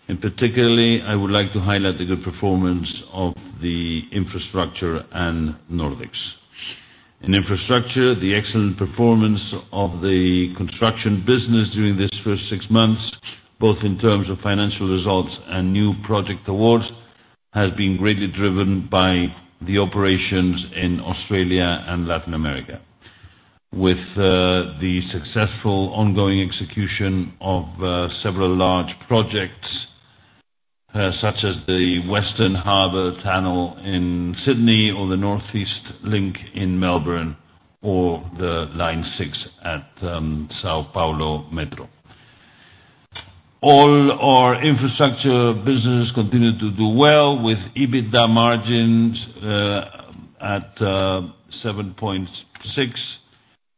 and particularly, I would like to highlight the good performance of the infrastructure and Nordex. In infrastructure, the excellent performance of the construction business during this first six months, both in terms of financial results and new project awards, has been greatly driven by the operations in Australia and Latin America, with the successful ongoing execution of several large projects, such as the Western Harbour Tunnel in Sydney or the Northeast Link in Melbourne or the Line Six at São Paulo Metro. All our infrastructure businesses continued to do well, with EBITDA margins at 7.6%,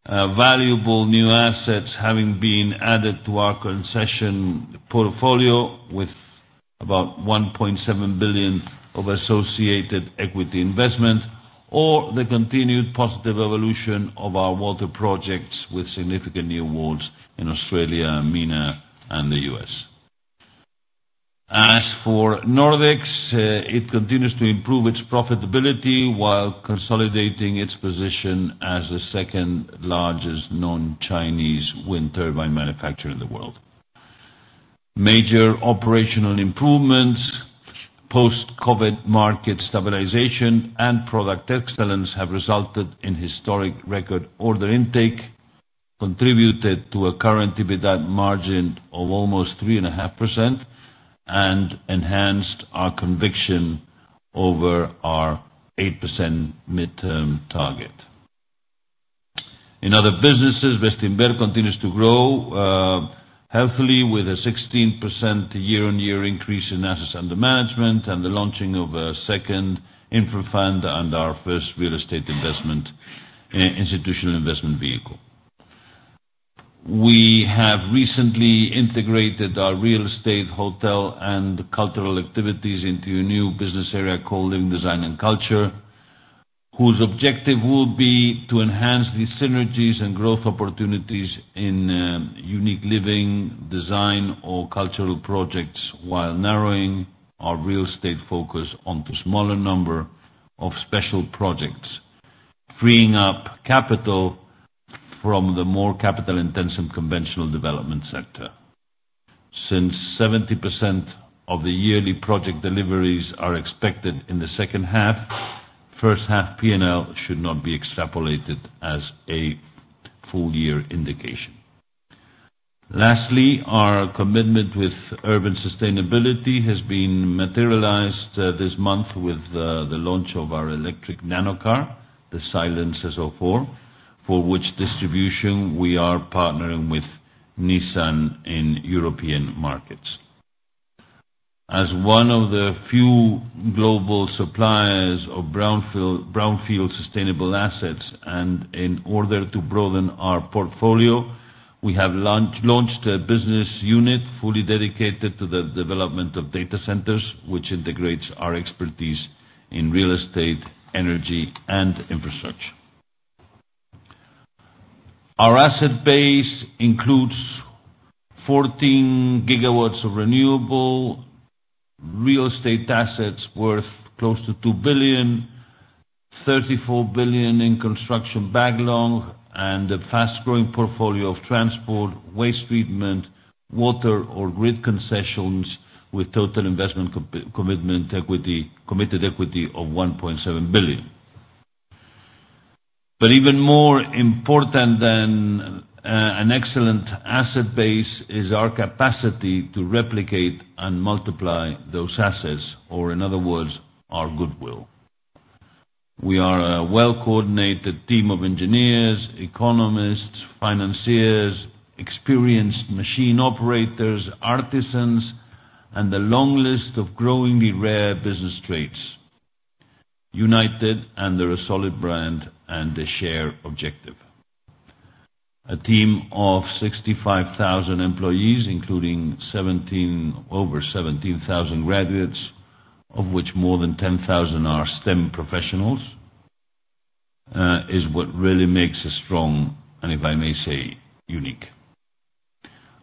valuable new assets having been added to our concession portfolio, with about 1.7 billion of associated equity investment, or the continued positive evolution of our water projects with significant new awards in Australia, MENA and the U.S. As for Nordex, it continues to improve its profitability while consolidating its position as the second largest non-Chinese wind turbine manufacturer in the world. Major operational improvements, post-COVID market stabilization and product excellence have resulted in historic record order intake, contributed to a current EBITDA margin of almost 3.5%, and enhanced our conviction over our 8% midterm target. In other businesses, Bestinver continues to grow, healthily, with a 16% year-on-year increase in assets under management and the launching of a second infra fund and our first real estate investment, institutional investment vehicle. We have recently integrated our real estate, hotel, and cultural activities into a new business area called Living Design and Culture, whose objective will be to enhance the synergies and growth opportunities in, unique living, design, or cultural projects, while narrowing our real estate focus onto smaller number of special projects, freeing up capital from the more capital-intensive conventional development sector. Since 70% of the yearly project deliveries are expected in the second half, first half P&L should not be extrapolated as a full year indication. Lastly, our commitment with urban sustainability has been materialized this month with the launch of our electric nano car, the Silence S04, for which distribution we are partnering with Nissan in European markets. As one of the few global suppliers of brownfield sustainable assets, and in order to broaden our portfolio, we have launched a business unit fully dedicated to the development of data centers, which integrates our expertise in real estate, energy, and infrastructure. Our asset base includes 14 GW of renewable real estate assets worth close to 2 billion, 34 billion in construction backlog, and a fast-growing portfolio of transport, waste treatment, water, or grid concessions, with total investment committed equity of 1.7 billion. But even more important than an excellent asset base is our capacity to replicate and multiply those assets, or in other words, our goodwill. We are a well-coordinated team of engineers, economists, financiers, experienced machine operators, artisans, and a long list of growingly rare business traits, united under a solid brand and a shared objective. A team of 65,000 employees, including 17, over 17,000 graduates, of which more than 10,000 are STEM professionals, is what really makes us strong, and if I may say, unique.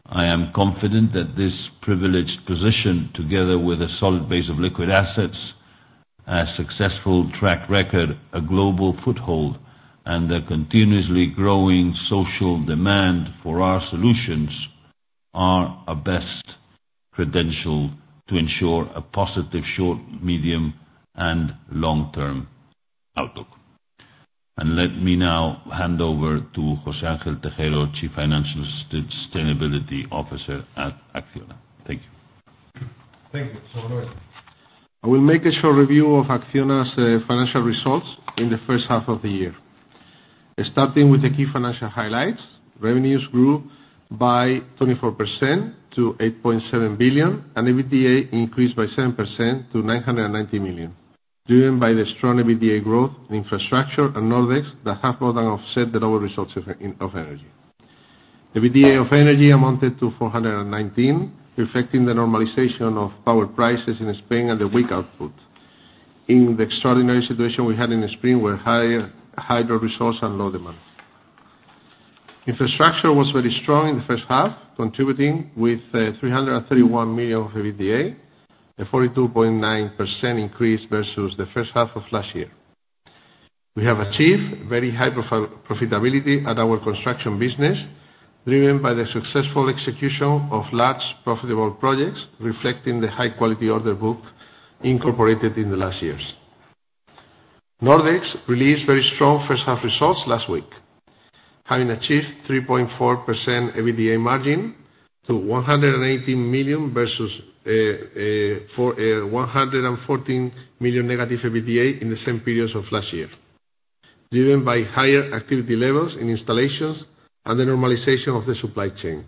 I am confident that this privileged position, together with a solid base of liquid assets, a successful track record, a global foothold, and a continuously growing social demand for our solutions, are our best credential to ensure a positive short, medium, and long-term outlook. Let me now hand over to José Ángel Tejero, Chief Financial and Sustainability Officer at Acciona. Thank you. Thank you, José Manuel. I will make a short review of Acciona's financial results in the first half of the year. Starting with the key financial highlights, revenues grew by 24% to 8.7 billion, and EBITDA increased by 7% to 990 million, driven by the strong EBITDA growth in infrastructure and Nordex that have more than offset the lower results of, in, of energy. EBITDA of energy amounted to 419 million, reflecting the normalization of power prices in Spain and the weak output in the extraordinary situation we had in the spring, where higher hydro resource and low demand. Infrastructure was very strong in the first half, contributing with three hundred and thirty-one million of EBITDA, a 42.9% increase versus the first half of last year. We have achieved very high profitability at our construction business, driven by the successful execution of large, profitable projects, reflecting the high quality order book incorporated in the last years. Nordex released very strong first half results last week, having achieved 3.4% EBITDA margin to 118 million versus one hundred and fourteen million negative EBITDA in the same periods of last year, driven by higher activity levels in installations and the normalization of the supply chain.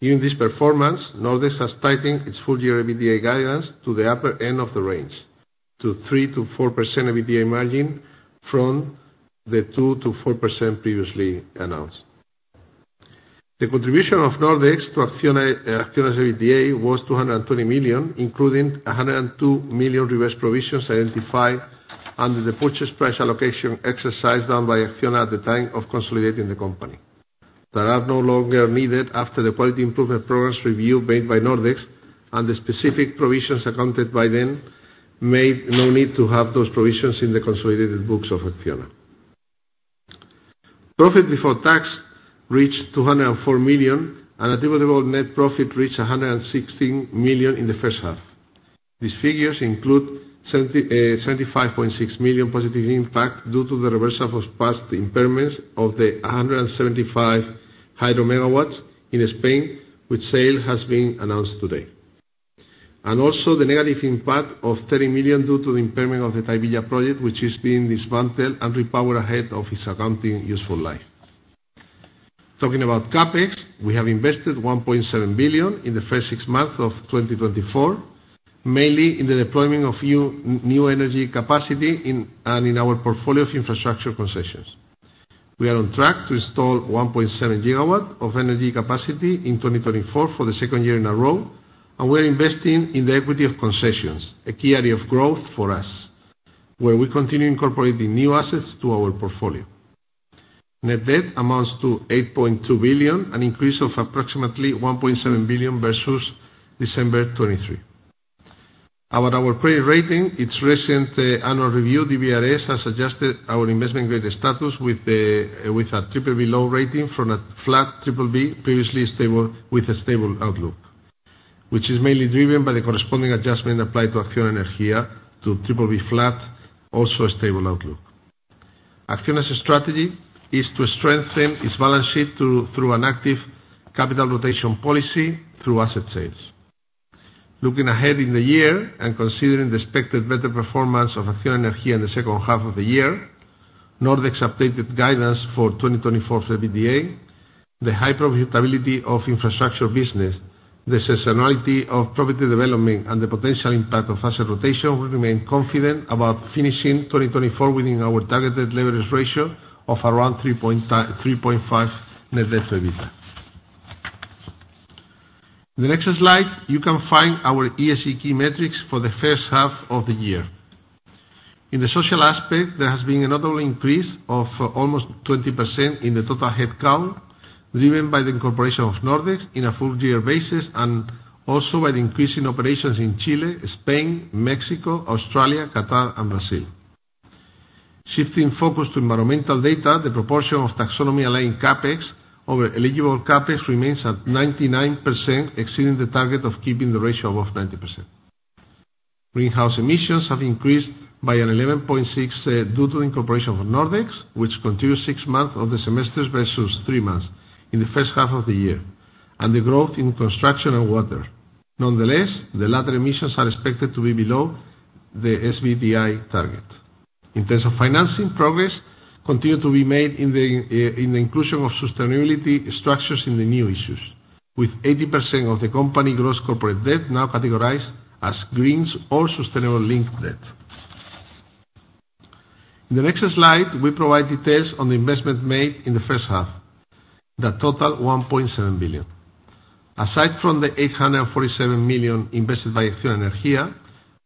Given this performance, Nordex has tightened its full year EBITDA guidance to the upper end of the range, to 3%-4% EBITDA margin from the 2%-4% previously announced. The contribution of Nordex to Acciona, Acciona's EBITDA, was 220 million, including 102 million reverse provisions identified under the purchase price allocation exercise done by Acciona at the time of consolidating the company, that are no longer needed after the quality improvement programs review made by Nordex, and the specific provisions accounted by them made no need to have those provisions in the consolidated books of Acciona. Profit before tax reached 204 million, and attributable net profit reached 116 million in the first half. These figures include seventy, seventy-five point six million positive impact due to the reversal of past impairments of the 175 hydro megawatts in Spain, which sale has been announced today. Also the negative impact of 30 million due to the impairment of the Tahivilla project, which is being dismantled and repowered ahead of its accounting useful life. Talking about CapEx, we have invested 1.7 billion in the first six months of 2024, mainly in the deployment of new energy capacity in our portfolio of infrastructure concessions. We are on track to install 1.7 GW of energy capacity in 2024 for the second year in a row, and we are investing in the equity of concessions, a key area of growth for us, where we continue incorporating new assets to our portfolio. Net debt amounts to 8.2 billion, an increase of approximately 1.7 billion versus December 2023. About our credit rating, its recent annual review, DBRS has adjusted our investment grade status with a BBB(low) rating from a BBB (flat), previously stable, with a stable outlook, which is mainly driven by the corresponding adjustment applied to Acciona Energía to BBB (flat), also a stable outlook. Acciona's strategy is to strengthen its balance sheet through an active capital rotation policy through asset sales. Looking ahead in the year and considering the expected better performance of Acciona Energía in the second half of the year, Nordex updated guidance for 2024 EBITDA, the high profitability of infrastructure business, the seasonality of property development, and the potential impact of asset rotation, we remain confident about finishing 2024 within our targeted leverage ratio of around 3.5, 3.5 net debt to EBITDA. In the next slide, you can find our ESG key metrics for the first half of the year. In the social aspect, there has been another increase of almost 20% in the total headcount, driven by the incorporation of Nordex in a full year basis, and also by the increasing operations in Chile, Spain, Mexico, Australia, Qatar and Brazil. Shifting focus to environmental data, the proportion of taxonomy aligned CapEx over eligible CapEx remains at 99%, exceeding the target of keeping the ratio above 90%. Greenhouse emissions have increased by 11.6%, due to the incorporation of Nordex, which continued six months of the semester versus three months in the first half of the year, and the growth in construction and water. Nonetheless, the latter emissions are expected to be below the SBTI target. In terms of financing progress, continue to be made in the inclusion of sustainability structures in the new issues, with 80% of the company gross corporate debt now categorized as green or sustainable linked debt. In the next slide, we provide details on the investment made in the first half, that total 1.7 billion. Aside from the 847 million invested by Acciona Energía,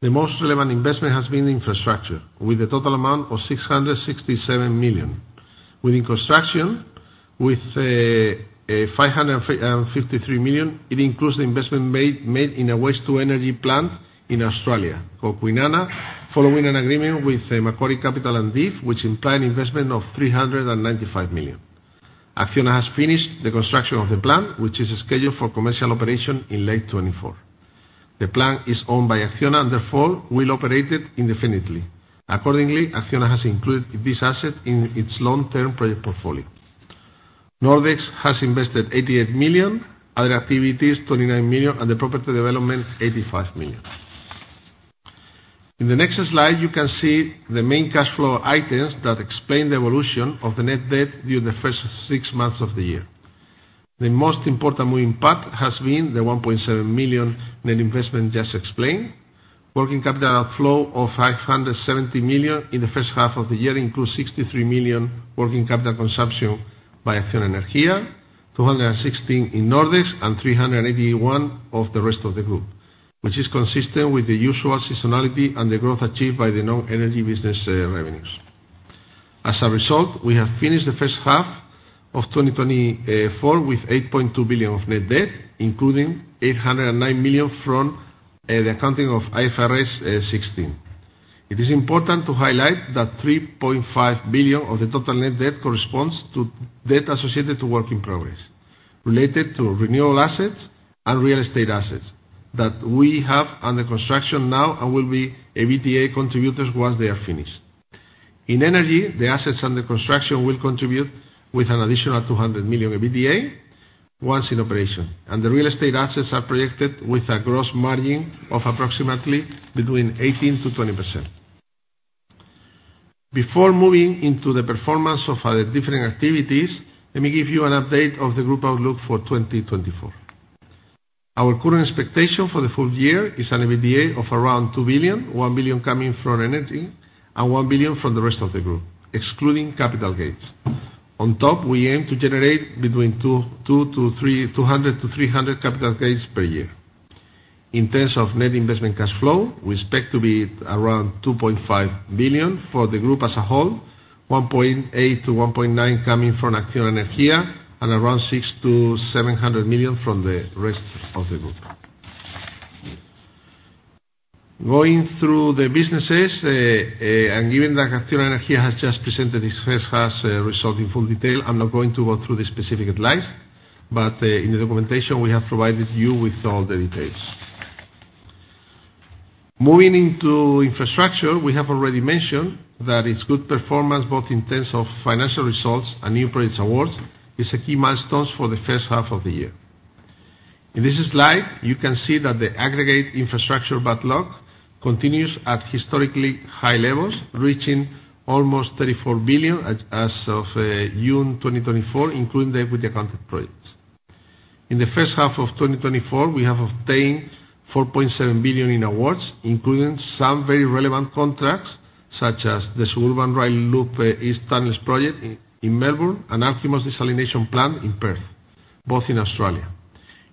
the most relevant investment has been infrastructure, with a total amount of 667 million. Within construction, with 553 million, it includes the investment made in a waste-to-energy plant in Australia, called Kwinana, following an agreement with the Macquarie Capital and DIF, which implied investment of 395 million. Acciona has finished the construction of the plant, which is scheduled for commercial operation in late 2024. The plant is owned by Acciona and therefore will operate it indefinitely. Accordingly, Acciona has included this asset in its long-term project portfolio. Nordex has invested 88 million, other activities, 29 million, and the property development, 85 million. In the next slide, you can see the main cash flow items that explain the evolution of the net debt during the first six months of the year. The most important moving part has been the 1.7 million net investment just explained. Working capital outflow of 570 million in the first half of the year includes 63 million working capital consumption by Acciona Energía, 216 in Nordex, and 381 of the rest of the group, which is consistent with the usual seasonality and the growth achieved by the non-energy business, revenues. As a result, we have finished the first half of 2024 with 8.2 billion of net debt, including 809 million from the accounting of IFRS 16. It is important to highlight that 3.5 billion of the total net debt corresponds to debt associated to work in progress, related to renewable assets and real estate assets that we have under construction now and will be EBITDA contributors once they are finished. In energy, the assets under construction will contribute with an additional 200 million EBITDA once in operation, and the real estate assets are projected with a gross margin of approximately between 18%-20%. Before moving into the performance of our different activities, let me give you an update of the group outlook for 2024. Our current expectation for the full year is an EBITDA of around 2 billion, 1 billion coming from energy, and 1 billion from the rest of the group, excluding capital gains. On top, we aim to generate between 200 to 300 capital gains per year. In terms of net investment cash flow, we expect to be around 2.5 billion for the group as a whole, 1.8 billion-1.9 billion coming from Acciona Energía, and around 600 million-700 million from the rest of the group. Going through the businesses, and given that Acciona Energía has just presented its first half result in full detail, I'm not going to go through the specific lines, but in the documentation, we have provided you with all the details. Moving into infrastructure, we have already mentioned that its good performance, both in terms of financial results and new project awards, is a key milestone for the first half of the year. In this slide, you can see that the aggregate infrastructure backlog continues at historically high levels, reaching almost 34 billion as of June 2024, including the equity accounted projects. In the first half of 2024, we have obtained 4.7 billion in awards, including some very relevant contracts, such as the Suburban Rail Loop, East Tunnel Project in Melbourne, and Alkimos Desalination Plant in Perth, both in Australia.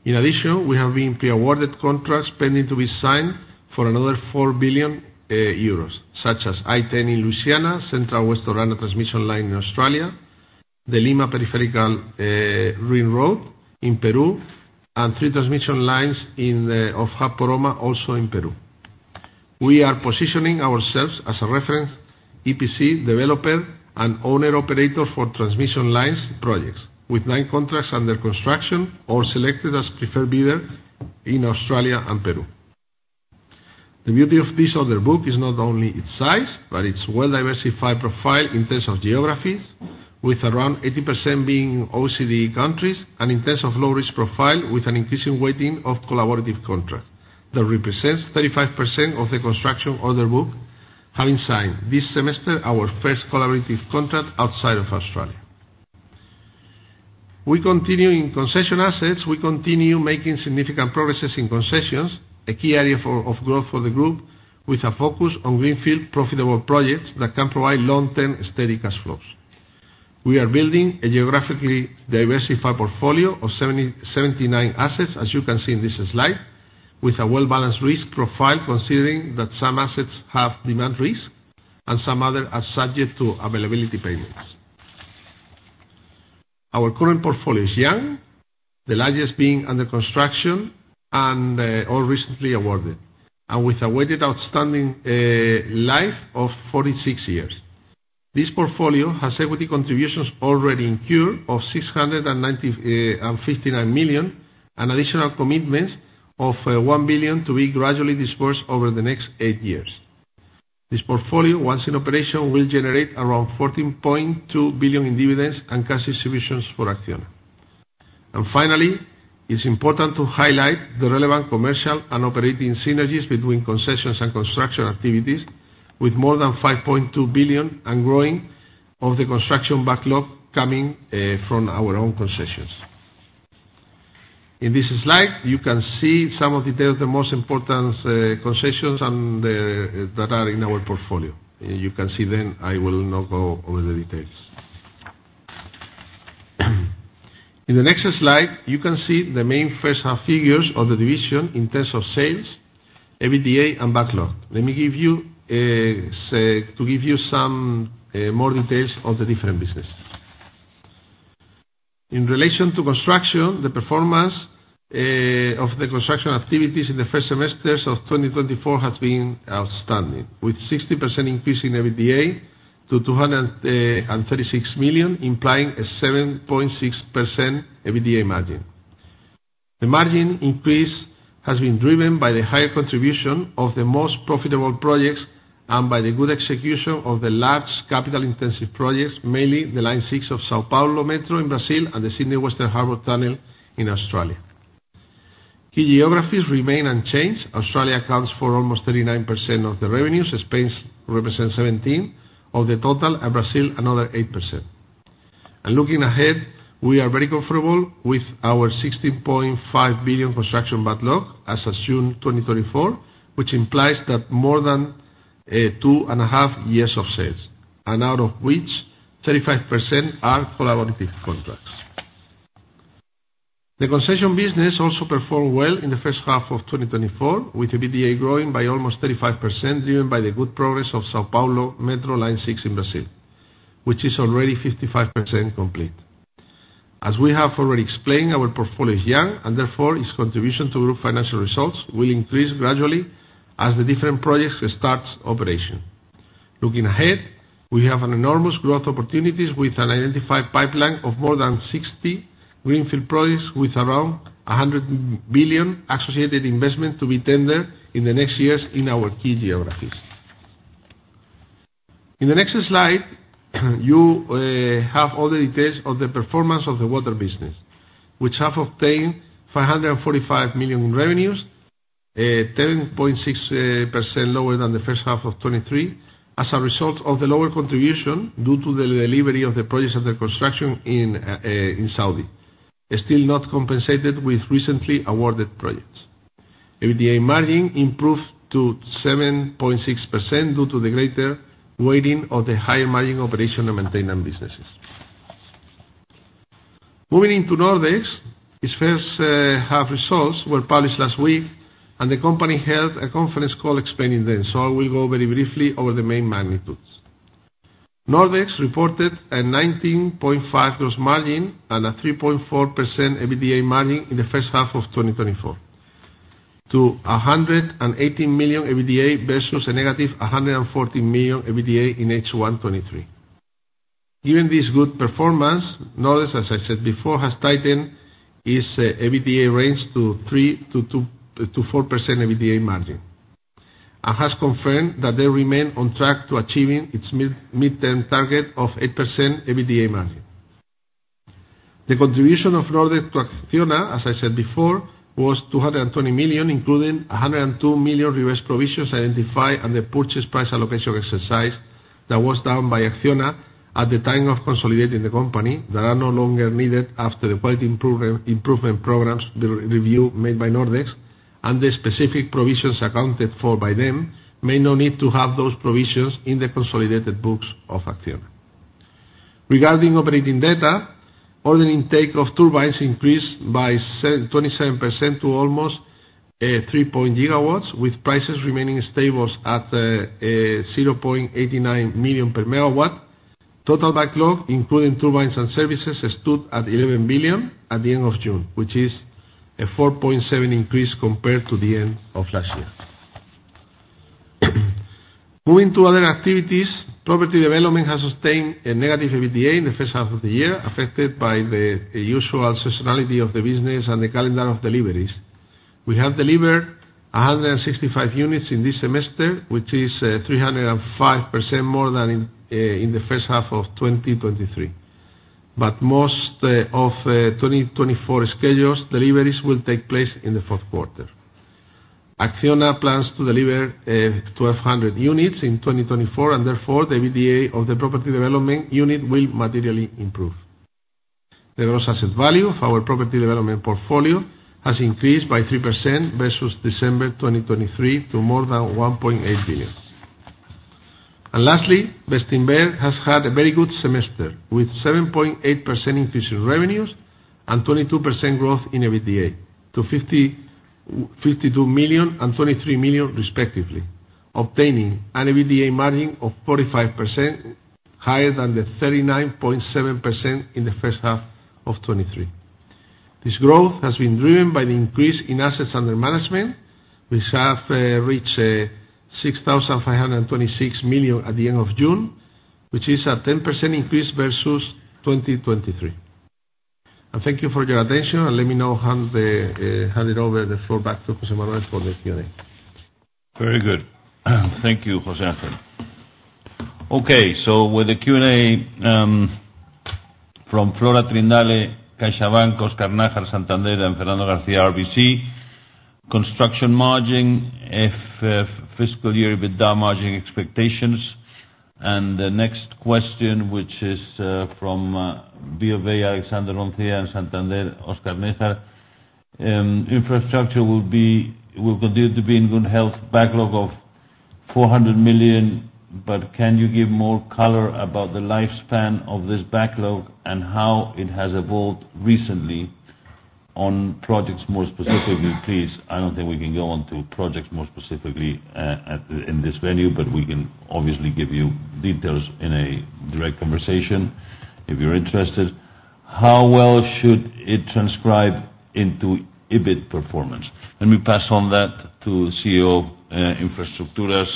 In addition, we have been pre-awarded contracts pending to be signed for another 4 billion euros, such as I-10 in Louisiana, Central West Orana transmission line in Australia, the Lima Peripherical Ring Road in Peru, and three transmission lines in the Hub Poroma, also in Peru. We are positioning ourselves as a reference EPC developer and owner-operator for transmission lines projects, with nine contracts under construction or selected as preferred bidder in Australia and Peru. The beauty of this order book is not only its size, but its well-diversified profile in terms of geographies, with around 80% being OECD countries, and in terms of low risk profile, with an increasing weighting of collaborative contracts. That represents 35% of the construction order book, having signed this semester our first collaborative contract outside of Australia. We continue in concession assets, we continue making significant progress in concessions, a key area of growth for the group, with a focus on greenfield profitable projects that can provide long-term, steady cash flows. We are building a geographically diversified portfolio of 79 assets, as you can see in this slide, with a well-balanced risk profile, considering that some assets have demand risk and some other are subject to availability payments. Our current portfolio is young, the largest being under construction and all recently awarded, and with a weighted outstanding life of 46 years. This portfolio has equity contributions already incurred of 695 million, an additional commitment of 1 billion to be gradually dispersed over the next eight years. This portfolio, once in operation, will generate around 14.2 billion in dividends and cash distributions for Acciona. Finally, it's important to highlight the relevant commercial and operating synergies between concessions and construction activities, with more than 5.2 billion and growing of the construction backlog coming from our own concessions. In this slide, you can see some of the details, the most important concessions that are in our portfolio. You can see them, I will not go over the details. In the next slide, you can see the main first half figures of the division in terms of sales, EBITDA, and backlog. Let me give you, say, to give you some more details of the different business. In relation to construction, the performance of the construction activities in the first semesters of 2024 has been outstanding, with 60% increase in EBITDA to 236 million, implying a 7.6% EBITDA margin. The margin increase has been driven by the higher contribution of the most profitable projects and by the good execution of the large capital-intensive projects, mainly the Line Six of the São Paulo Metro in Brazil and the Sydney Western Harbour Tunnel in Australia. Key geographies remain unchanged. Australia accounts for almost 39% of the revenues, Spain represents 17% of the total, and Brazil, another 8%. Looking ahead, we are very comfortable with our 16.5 billion construction backlog as assumed in 2024, which implies that more than two and a half years of sales, and out of which 35% are collaborative contracts. The concession business also performed well in the first half of 2024, with EBITDA growing by almost 35%, driven by the good progress of the São Paulo Metro Line Six in Brazil, which is already 55% complete. As we have already explained, our portfolio is young, and therefore, its contribution to group financial results will increase gradually as the different projects starts operation. Looking ahead, we have an enormous growth opportunities with an identified pipeline of more than 60 greenfield projects with around 100 billion associated investment to be tendered in the next years in our key geographies. In the next slide, you have all the details of the performance of the water business, which have obtained 545 million in revenues, 10.6% lower than the first half of 2023, as a result of the lower contribution due to the delivery of the projects under construction in Saudi, still not compensated with recently awarded projects. EBITDA margin improved to 7.6% due to the greater weighting of the higher margin operation and maintenance businesses. Moving into Nordex, its first half results were published last week, and the company held a conference call explaining them, so I will go very briefly over the main magnitudes. Nordex reported a 19.5 gross margin and a 3.4% EBITDA margin in the first half of 2024, to 118 million EBITDA versus a negative 114 million EBITDA in H1 2023. Given this good performance, Nordex, as I said before, has tightened its EBITDA range to 3%-4% EBITDA margin, and has confirmed that they remain on track to achieving its mid-term target of 8% EBITDA margin. The contribution of Nordex to Acciona, as I said before, was 220 million, including 102 million reverse provisions identified and the purchase price allocation exercise that was done by Acciona at the time of consolidating the company, that are no longer needed after the quality improvement programs review made by Nordex, and the specific provisions accounted for by them may no need to have those provisions in the consolidated books of Acciona. Regarding operating data, order intake of turbines increased by 27% to almost 3 GW, with prices remaining stable at 0.89 million per MW. Total backlog, including turbines and services, stood at 11 billion at the end of June, which is a 4.7% increase compared to the end of last year. Moving to other activities, property development has sustained a negative EBITDA in the first half of the year, affected by the usual seasonality of the business and the calendar of deliveries. We have delivered 165 units in this semester, which is 305% more than in the first half of 2023. But most of 2024 scheduled deliveries will take place in the fourth quarter. Acciona plans to deliver 1,200 units in 2024, and therefore, the EBITDA of the property development unit will materially improve. The gross asset value of our property development portfolio has increased by 3% versus December 2023 to more than 1.8 billion. And lastly, Bestinver has had a very good semester, with 7.8% increase in revenues.... And 22% growth in EBITDA, to 52 million and 23 million respectively, obtaining an EBITDA margin of 45%, higher than the 39.7% in the first half of 2023. This growth has been driven by the increase in assets under management, which have reached 6,526 million at the end of June, which is a 10% increase versus 2023. I thank you for your attention, and let me now hand the floor back to José Manuel for the Q&A. Very good. Thank you, José Ángel. Okay, so with the Q&A from Flora Trindade, CaixaBank, Oscar Najera, Santander, and Fernando Garcia, RBC. Construction margin, if fiscal year EBITDA margin expectations. And the next question, which is from BofA, Alexander Roncier, and Santander, Oscar Najera. Infrastructure will be, will continue to be in good health, backlog of 400 million, but can you give more color about the lifespan of this backlog and how it has evolved recently on projects more specifically, please? I don't think we can go on to projects more specifically in this venue, but we can obviously give you details in a direct conversation if you're interested. How well should it transcribe into EBIT performance? Let me pass on that to CEO of Infrastructures,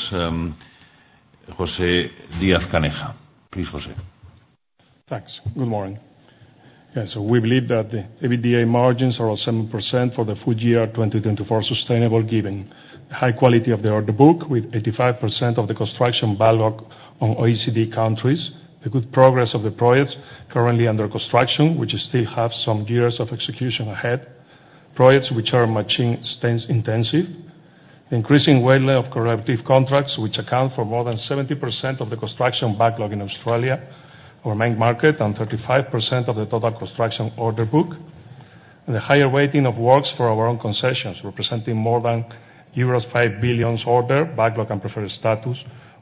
José Díaz-Caneja. Please, José. Thanks. Good morning. Yeah, so we believe that the EBITDA margins are around 7% for the full year 2024, sustainable, given high quality of the order book, with 85% of the construction backlog on OECD countries, the good progress of the projects currently under construction, which still have some years of execution ahead, projects which are mechanization intensive, increasing weight of collaborative contracts, which account for more than 70% of the construction backlog in Australia, our main market, and 35% of the total construction order book. The higher weighting of works for our own concessions, representing more than euro 5 billion order backlog and preferred status,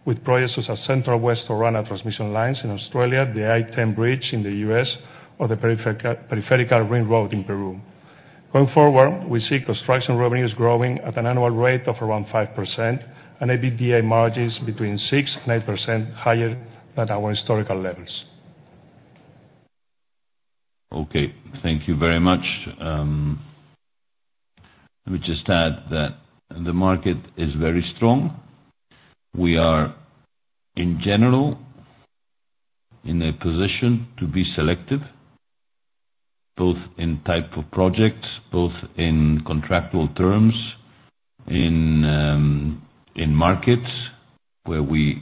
with projects such as Central West Orana transmission lines in Australia, the I-10 Bridge in the U.S., or the Periférica Perimetral Ring Road in Peru. Going forward, we see construction revenues growing at an annual rate of around 5% and EBITDA margins between 6% and 8% higher than our historical levels. Okay, thank you very much. Let me just add that the market is very strong. We are, in general, in a position to be selective, both in type of projects, both in contractual terms, in markets where we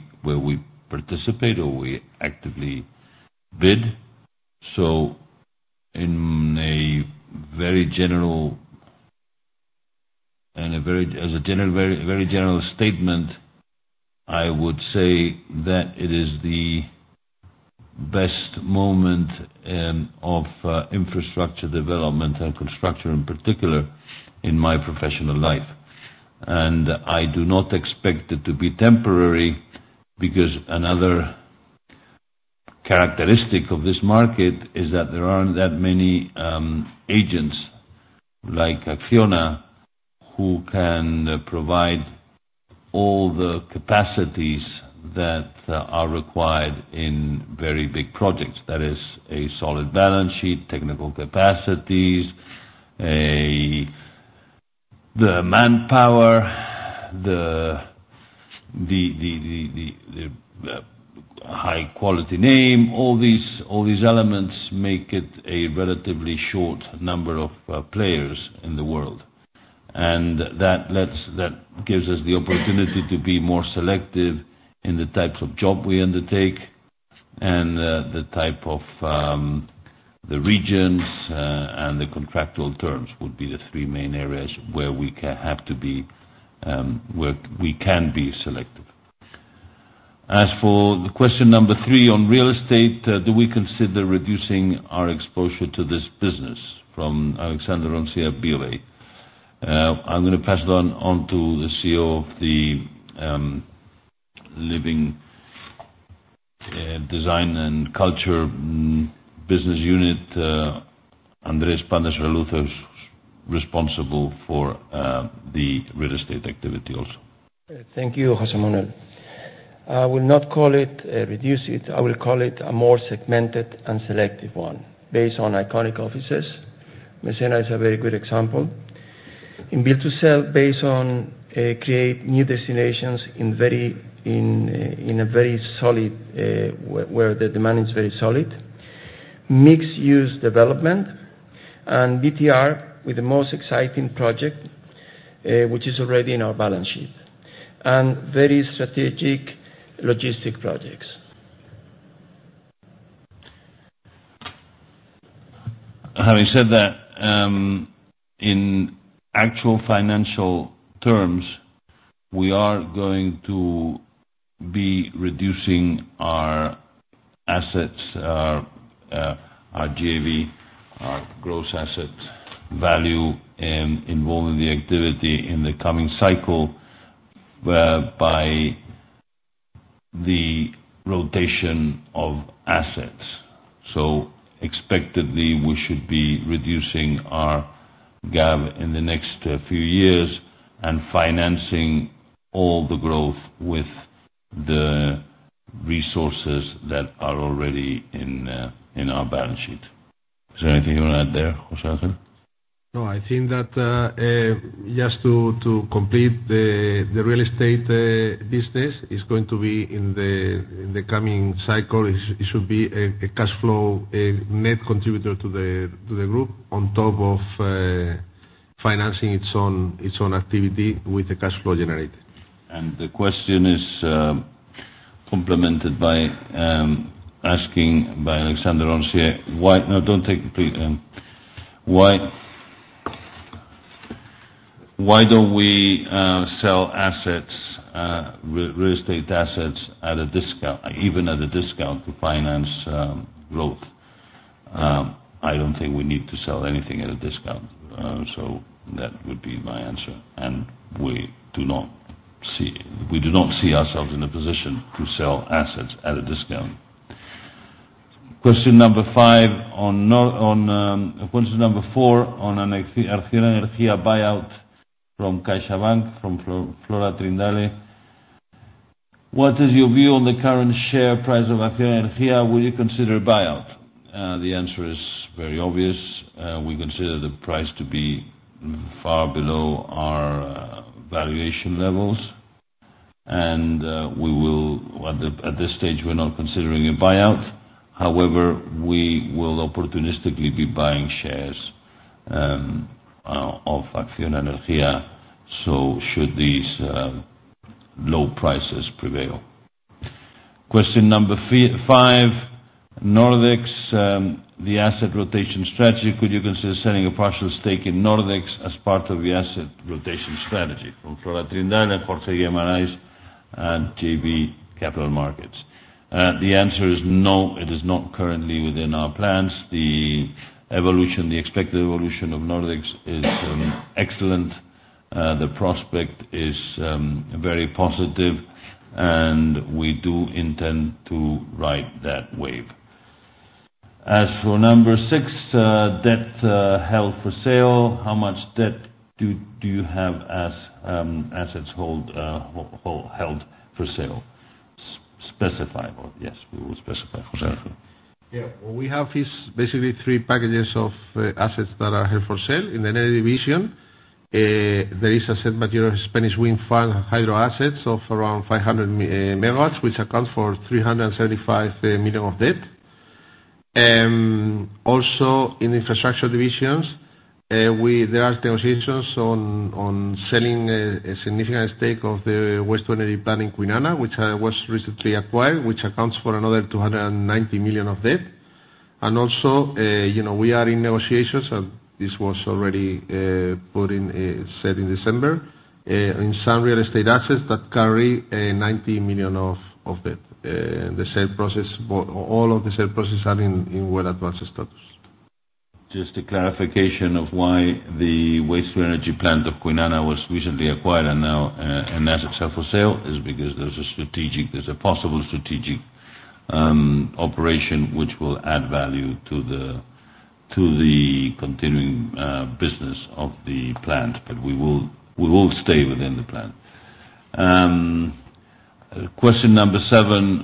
participate or we actively bid. So in a very general statement, I would say that it is the best moment of infrastructure development and construction, in particular, in my professional life. And I do not expect it to be temporary, because another characteristic of this market is that there aren't that many agents like Acciona, who can provide all the capacities that are required in very big projects. That is a solid balance sheet, technical capacities, the manpower, the high quality name, all these, all these elements make it a relatively short number of players in the world. And that lets, that gives us the opportunity to be more selective in the types of job we undertake and the type of the regions and the contractual terms would be the three main areas where we have to be where we can be selective. As for the question number three on real estate, do we consider reducing our exposure to this business? From Alexander Roncier, Bank of America. I'm gonna pass it on to the CEO of the living design and culture business unit, Andrés Pan de Soraluce, who's responsible for the real estate activity also. Thank you, José Manuel. I will not call it reduce it. I will call it a more segmented and selective one, based on iconic offices. Mesena is a very good example. In build to sell, based on create new destinations in a very solid where the demand is very solid. Mixed-use development and BTR with the most exciting project, which is already in our balance sheet, and very strategic logistic projects. Having said that, in actual financial terms, we are going to be reducing our assets, our JV, our gross asset value involving the activity in the coming cycle by the rotation of assets. So expectedly, we should be reducing our gap in the next few years and financing all the growth with the resources that are already in our balance sheet. Is there anything you want to add there, José Ángel? No, I think that just to complete the real estate business is going to be in the coming cycle. It should be a cashflow net contributor to the group, on top of financing its own activity with the cashflow generated. The question is, complemented by, asking by Alexander Roncier: Why-- No, don't take the ... why, why don't we, sell assets, real estate assets at a discount, even at a discount, to finance, growth? I don't think we need to sell anything at a discount, so that would be my answer. And we do not see, we do not see ourselves in a position to sell assets at a discount. Question number four, on an Acciona Energía buyout from CaixaBank, from Flora Trindade: What is your view on the current share price of Acciona Energía? Will you consider a buyout? The answer is very obvious. We consider the price to be far below our valuation levels, and, we will... At this stage, we're not considering a buyout. However, we will opportunistically be buying shares of Acciona Energía, so should these low prices prevail. Question number three, five, Nordex, the asset rotation strategy: Could you consider selling a partial stake in Nordex as part of the asset rotation strategy? From Flora Trindade and Jorge Amaral at JB Capital Markets. The answer is no, it is not currently within our plans. The evolution, the expected evolution of Nordex is excellent. The prospect is very positive, and we do intend to ride that wave. As for number six, debt held for sale, how much debt do you have as assets held for sale? Specify or... Yes, we will specify for sure. Yeah. What we have is basically three packages of assets that are held for sale. In the energy division, there is a set material Spanish wind farm hydro assets of around 500 MW, which account for 375 million of debt. Also, in infrastructure division, there are negotiations on selling a significant stake of the waste-to-energy plant in Kwinana, which was recently acquired, which accounts for another 290 million of debt. And also, you know, we are in negotiations, and this was already put in said in December in some real estate assets that carry a 90 million of debt. The sale process, all of the sale process are in well advanced status. Just a clarification of why the Waste to Energy plant of Kwinana was recently acquired and now an asset for sale is because there's a strategic, there's a possible strategic operation which will add value to the continuing business of the plant, but we will stay within the plan. Question number seven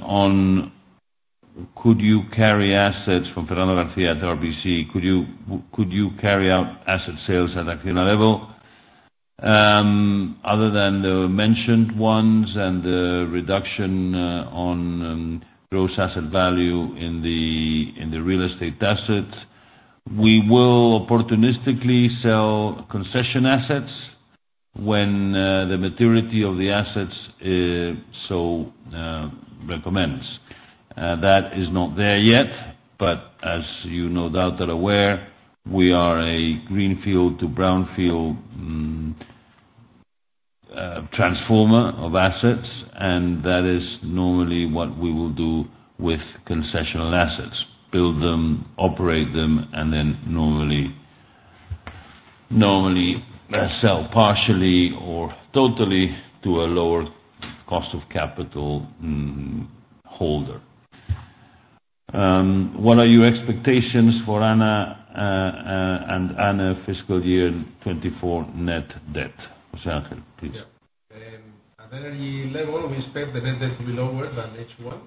from Fernando Garcia at RBC. Could you carry out asset sales at Acciona level? Other than the mentioned ones and the reduction on gross asset value in the real estate assets, we will opportunistically sell concession assets when the maturity of the assets so recommends. That is not there yet, but as you no doubt are aware, we are a greenfield to brownfield transformer of assets, and that is normally what we will do with concessional assets: build them, operate them, and then normally sell partially or totally to a lower cost of capital holder. What are your expectations for Acciona and Acciona fiscal year 2024 net debt? José Ángel, please. Yeah. At Acciona, we expect net debt to be lower than H1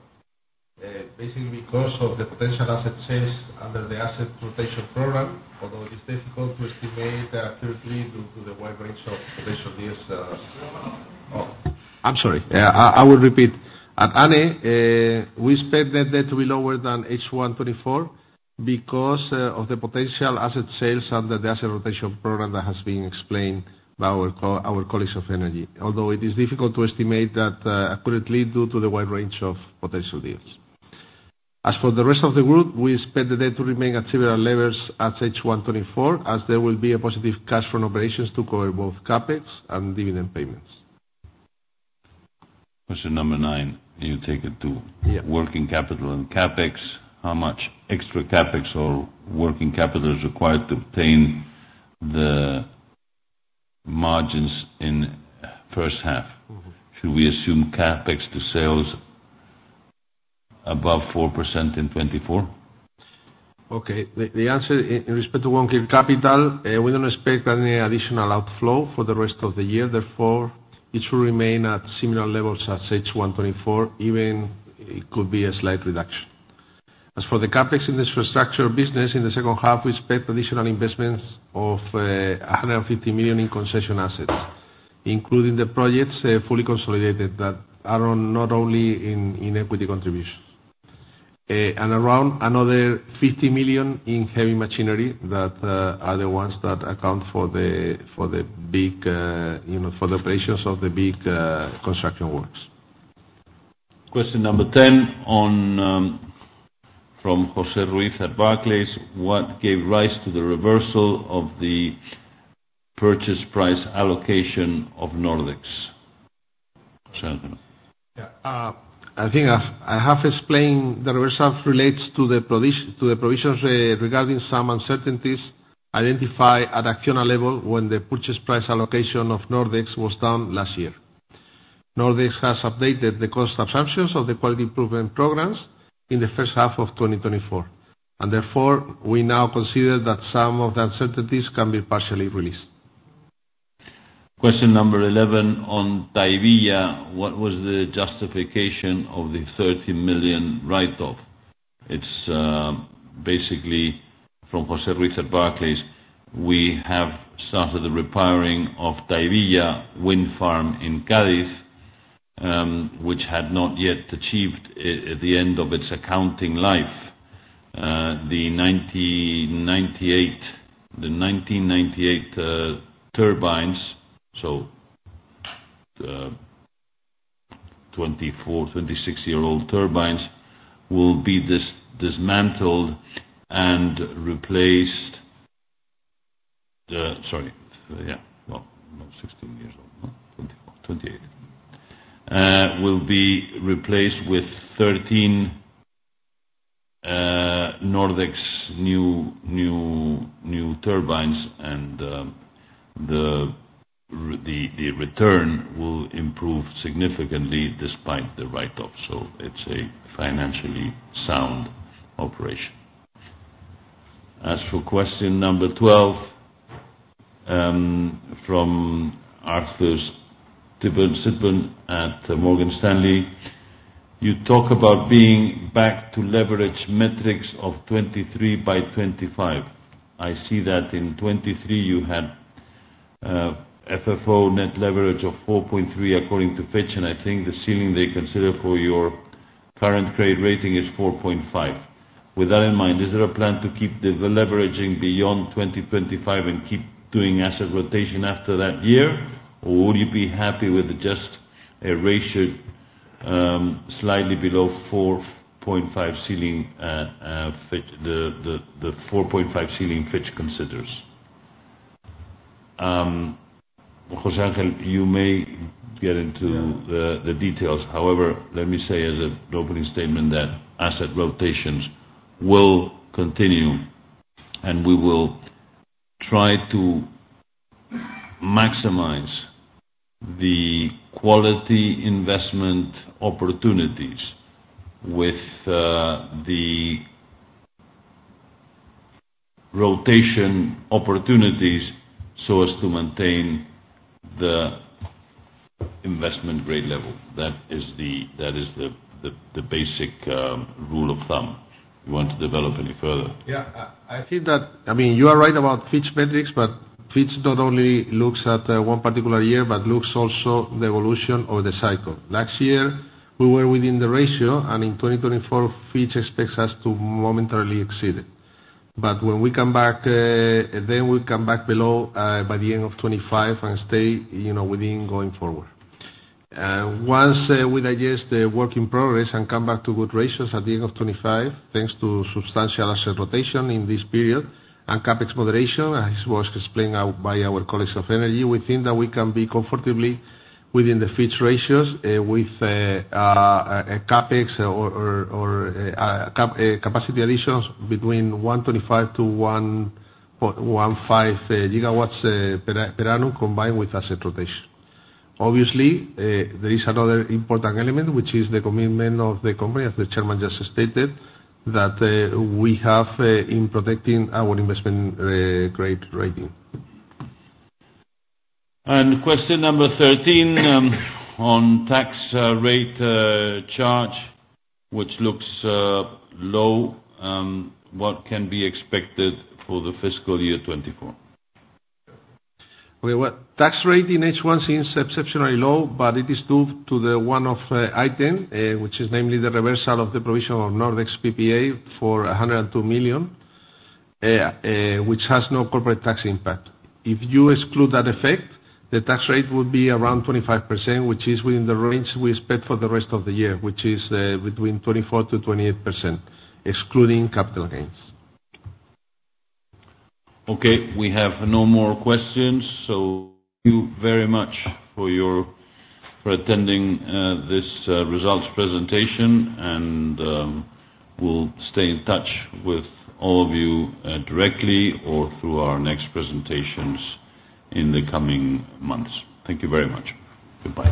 2024 because of the potential asset sales under the asset rotation program that has been explained by our colleagues of energy. Although it is difficult to estimate that accurately due to the wide range of potential deals. As for the rest of the group, we expect the debt to remain at similar levels at H1 2024, as there will be a positive cash from operations to cover both CapEx and dividend payments. Question number nine, and you take it, too. Yeah. Working capital and CapEx, how much extra CapEx or working capital is required to obtain the margins in first half? Mm-hmm. Should we assume CapEx to sales above 4% in 2024? Okay. The answer in respect to working capital, we don't expect any additional outflow for the rest of the year, therefore, it will remain at similar levels as H1 2024, even it could be a slight reduction. As for the CapEx infrastructure business, in the second half, we expect additional investments of 150 million in concession assets, including the projects fully consolidated that are not only in equity contributions. And around another 50 million in heavy machinery that are the ones that account for the, for the big, you know, for the operations of the big construction works. Question number 10 on, from José Ruiz at Barclays, what gave rise to the reversal of the purchase price allocation of Nordex? José Angel. Yeah. I think I have explained the reversal relates to the provisions regarding some uncertainties identified at Acciona level when the purchase price allocation of Nordex was done last year. Nordex has updated the cost assumptions of the quality improvement programs in the first half of 2024, and therefore, we now consider that some of the uncertainties can be partially released. Question number 11 on Tahivilla. What was the justification of the 30 million write-off? It's basically from Jose Ruiz at Barclays. We have started the repowering of Tahivilla Wind Farm in Cadiz, which had not yet achieved the end of its accounting life. The 1998, the 1998 turbines, so, 24, 26-year-old turbines, will be dismantled and replaced. Sorry. Yeah, well, not 16 years old, no, 24, 28. Will be replaced with 13 Nordex new turbines, and the return will improve significantly despite the write-off, so it's a financially sound operation. As for question number 12, from Arthur Sitbon at Morgan Stanley: You talk about being back to leverage metrics of 2023 by 2025. I see that in 2023 you had FFO net leverage of 4.3, according to Fitch, and I think the ceiling they consider for your current trade rating is 4.5. With that in mind, is there a plan to keep the leveraging beyond 2025 and keep doing asset rotation after that year? Or would you be happy with just a ratio slightly below 4.5 ceiling, Fitch, the 4.5 ceiling Fitch considers? José Angel, you may get into- Yeah... the details. However, let me say as an opening statement, that asset rotations will continue, and we will try to maximize the quality investment opportunities with the rotation opportunities, so as to maintain the investment grade level. That is the basic rule of thumb. You want to develop any further? Yeah. I think that... I mean, you are right about Fitch metrics, but Fitch not only looks at one particular year, but looks also the evolution of the cycle. Last year, we were within the ratio, and in 2024, Fitch expects us to momentarily exceed it. But when we come back, then we come back below by the end of 2025 and stay, you know, within going forward. Once we digest the work in progress and come back to good ratios at the end of 2025, thanks to substantial asset rotation in this period and CapEx moderation, as was explained out by our colleagues of energy, we think that we can be comfortably within the Fitch ratios, with a CapEx or capacity additions between 1.25-1.15 GW per annum, combined with asset rotation. Obviously, there is another important element, which is the commitment of the company, as the chairman just stated, that we have in protecting our investment grade rating. Question number 13, on tax rate charge, which looks low, what can be expected for the fiscal year 2024? Well, tax rate in H1 seems exceptionally low, but it is due to the one-off item, which is namely the reversal of the provision of Nordex PPA for 102 million, which has no corporate tax impact. If you exclude that effect, the tax rate would be around 25%, which is within the range we expect for the rest of the year, which is between 24%-28%, excluding capital gains. Okay, we have no more questions, so thank you very much for your, for attending, this, results presentation, and, we'll stay in touch with all of you, directly or through our next presentations in the coming months. Thank you very much. Goodbye.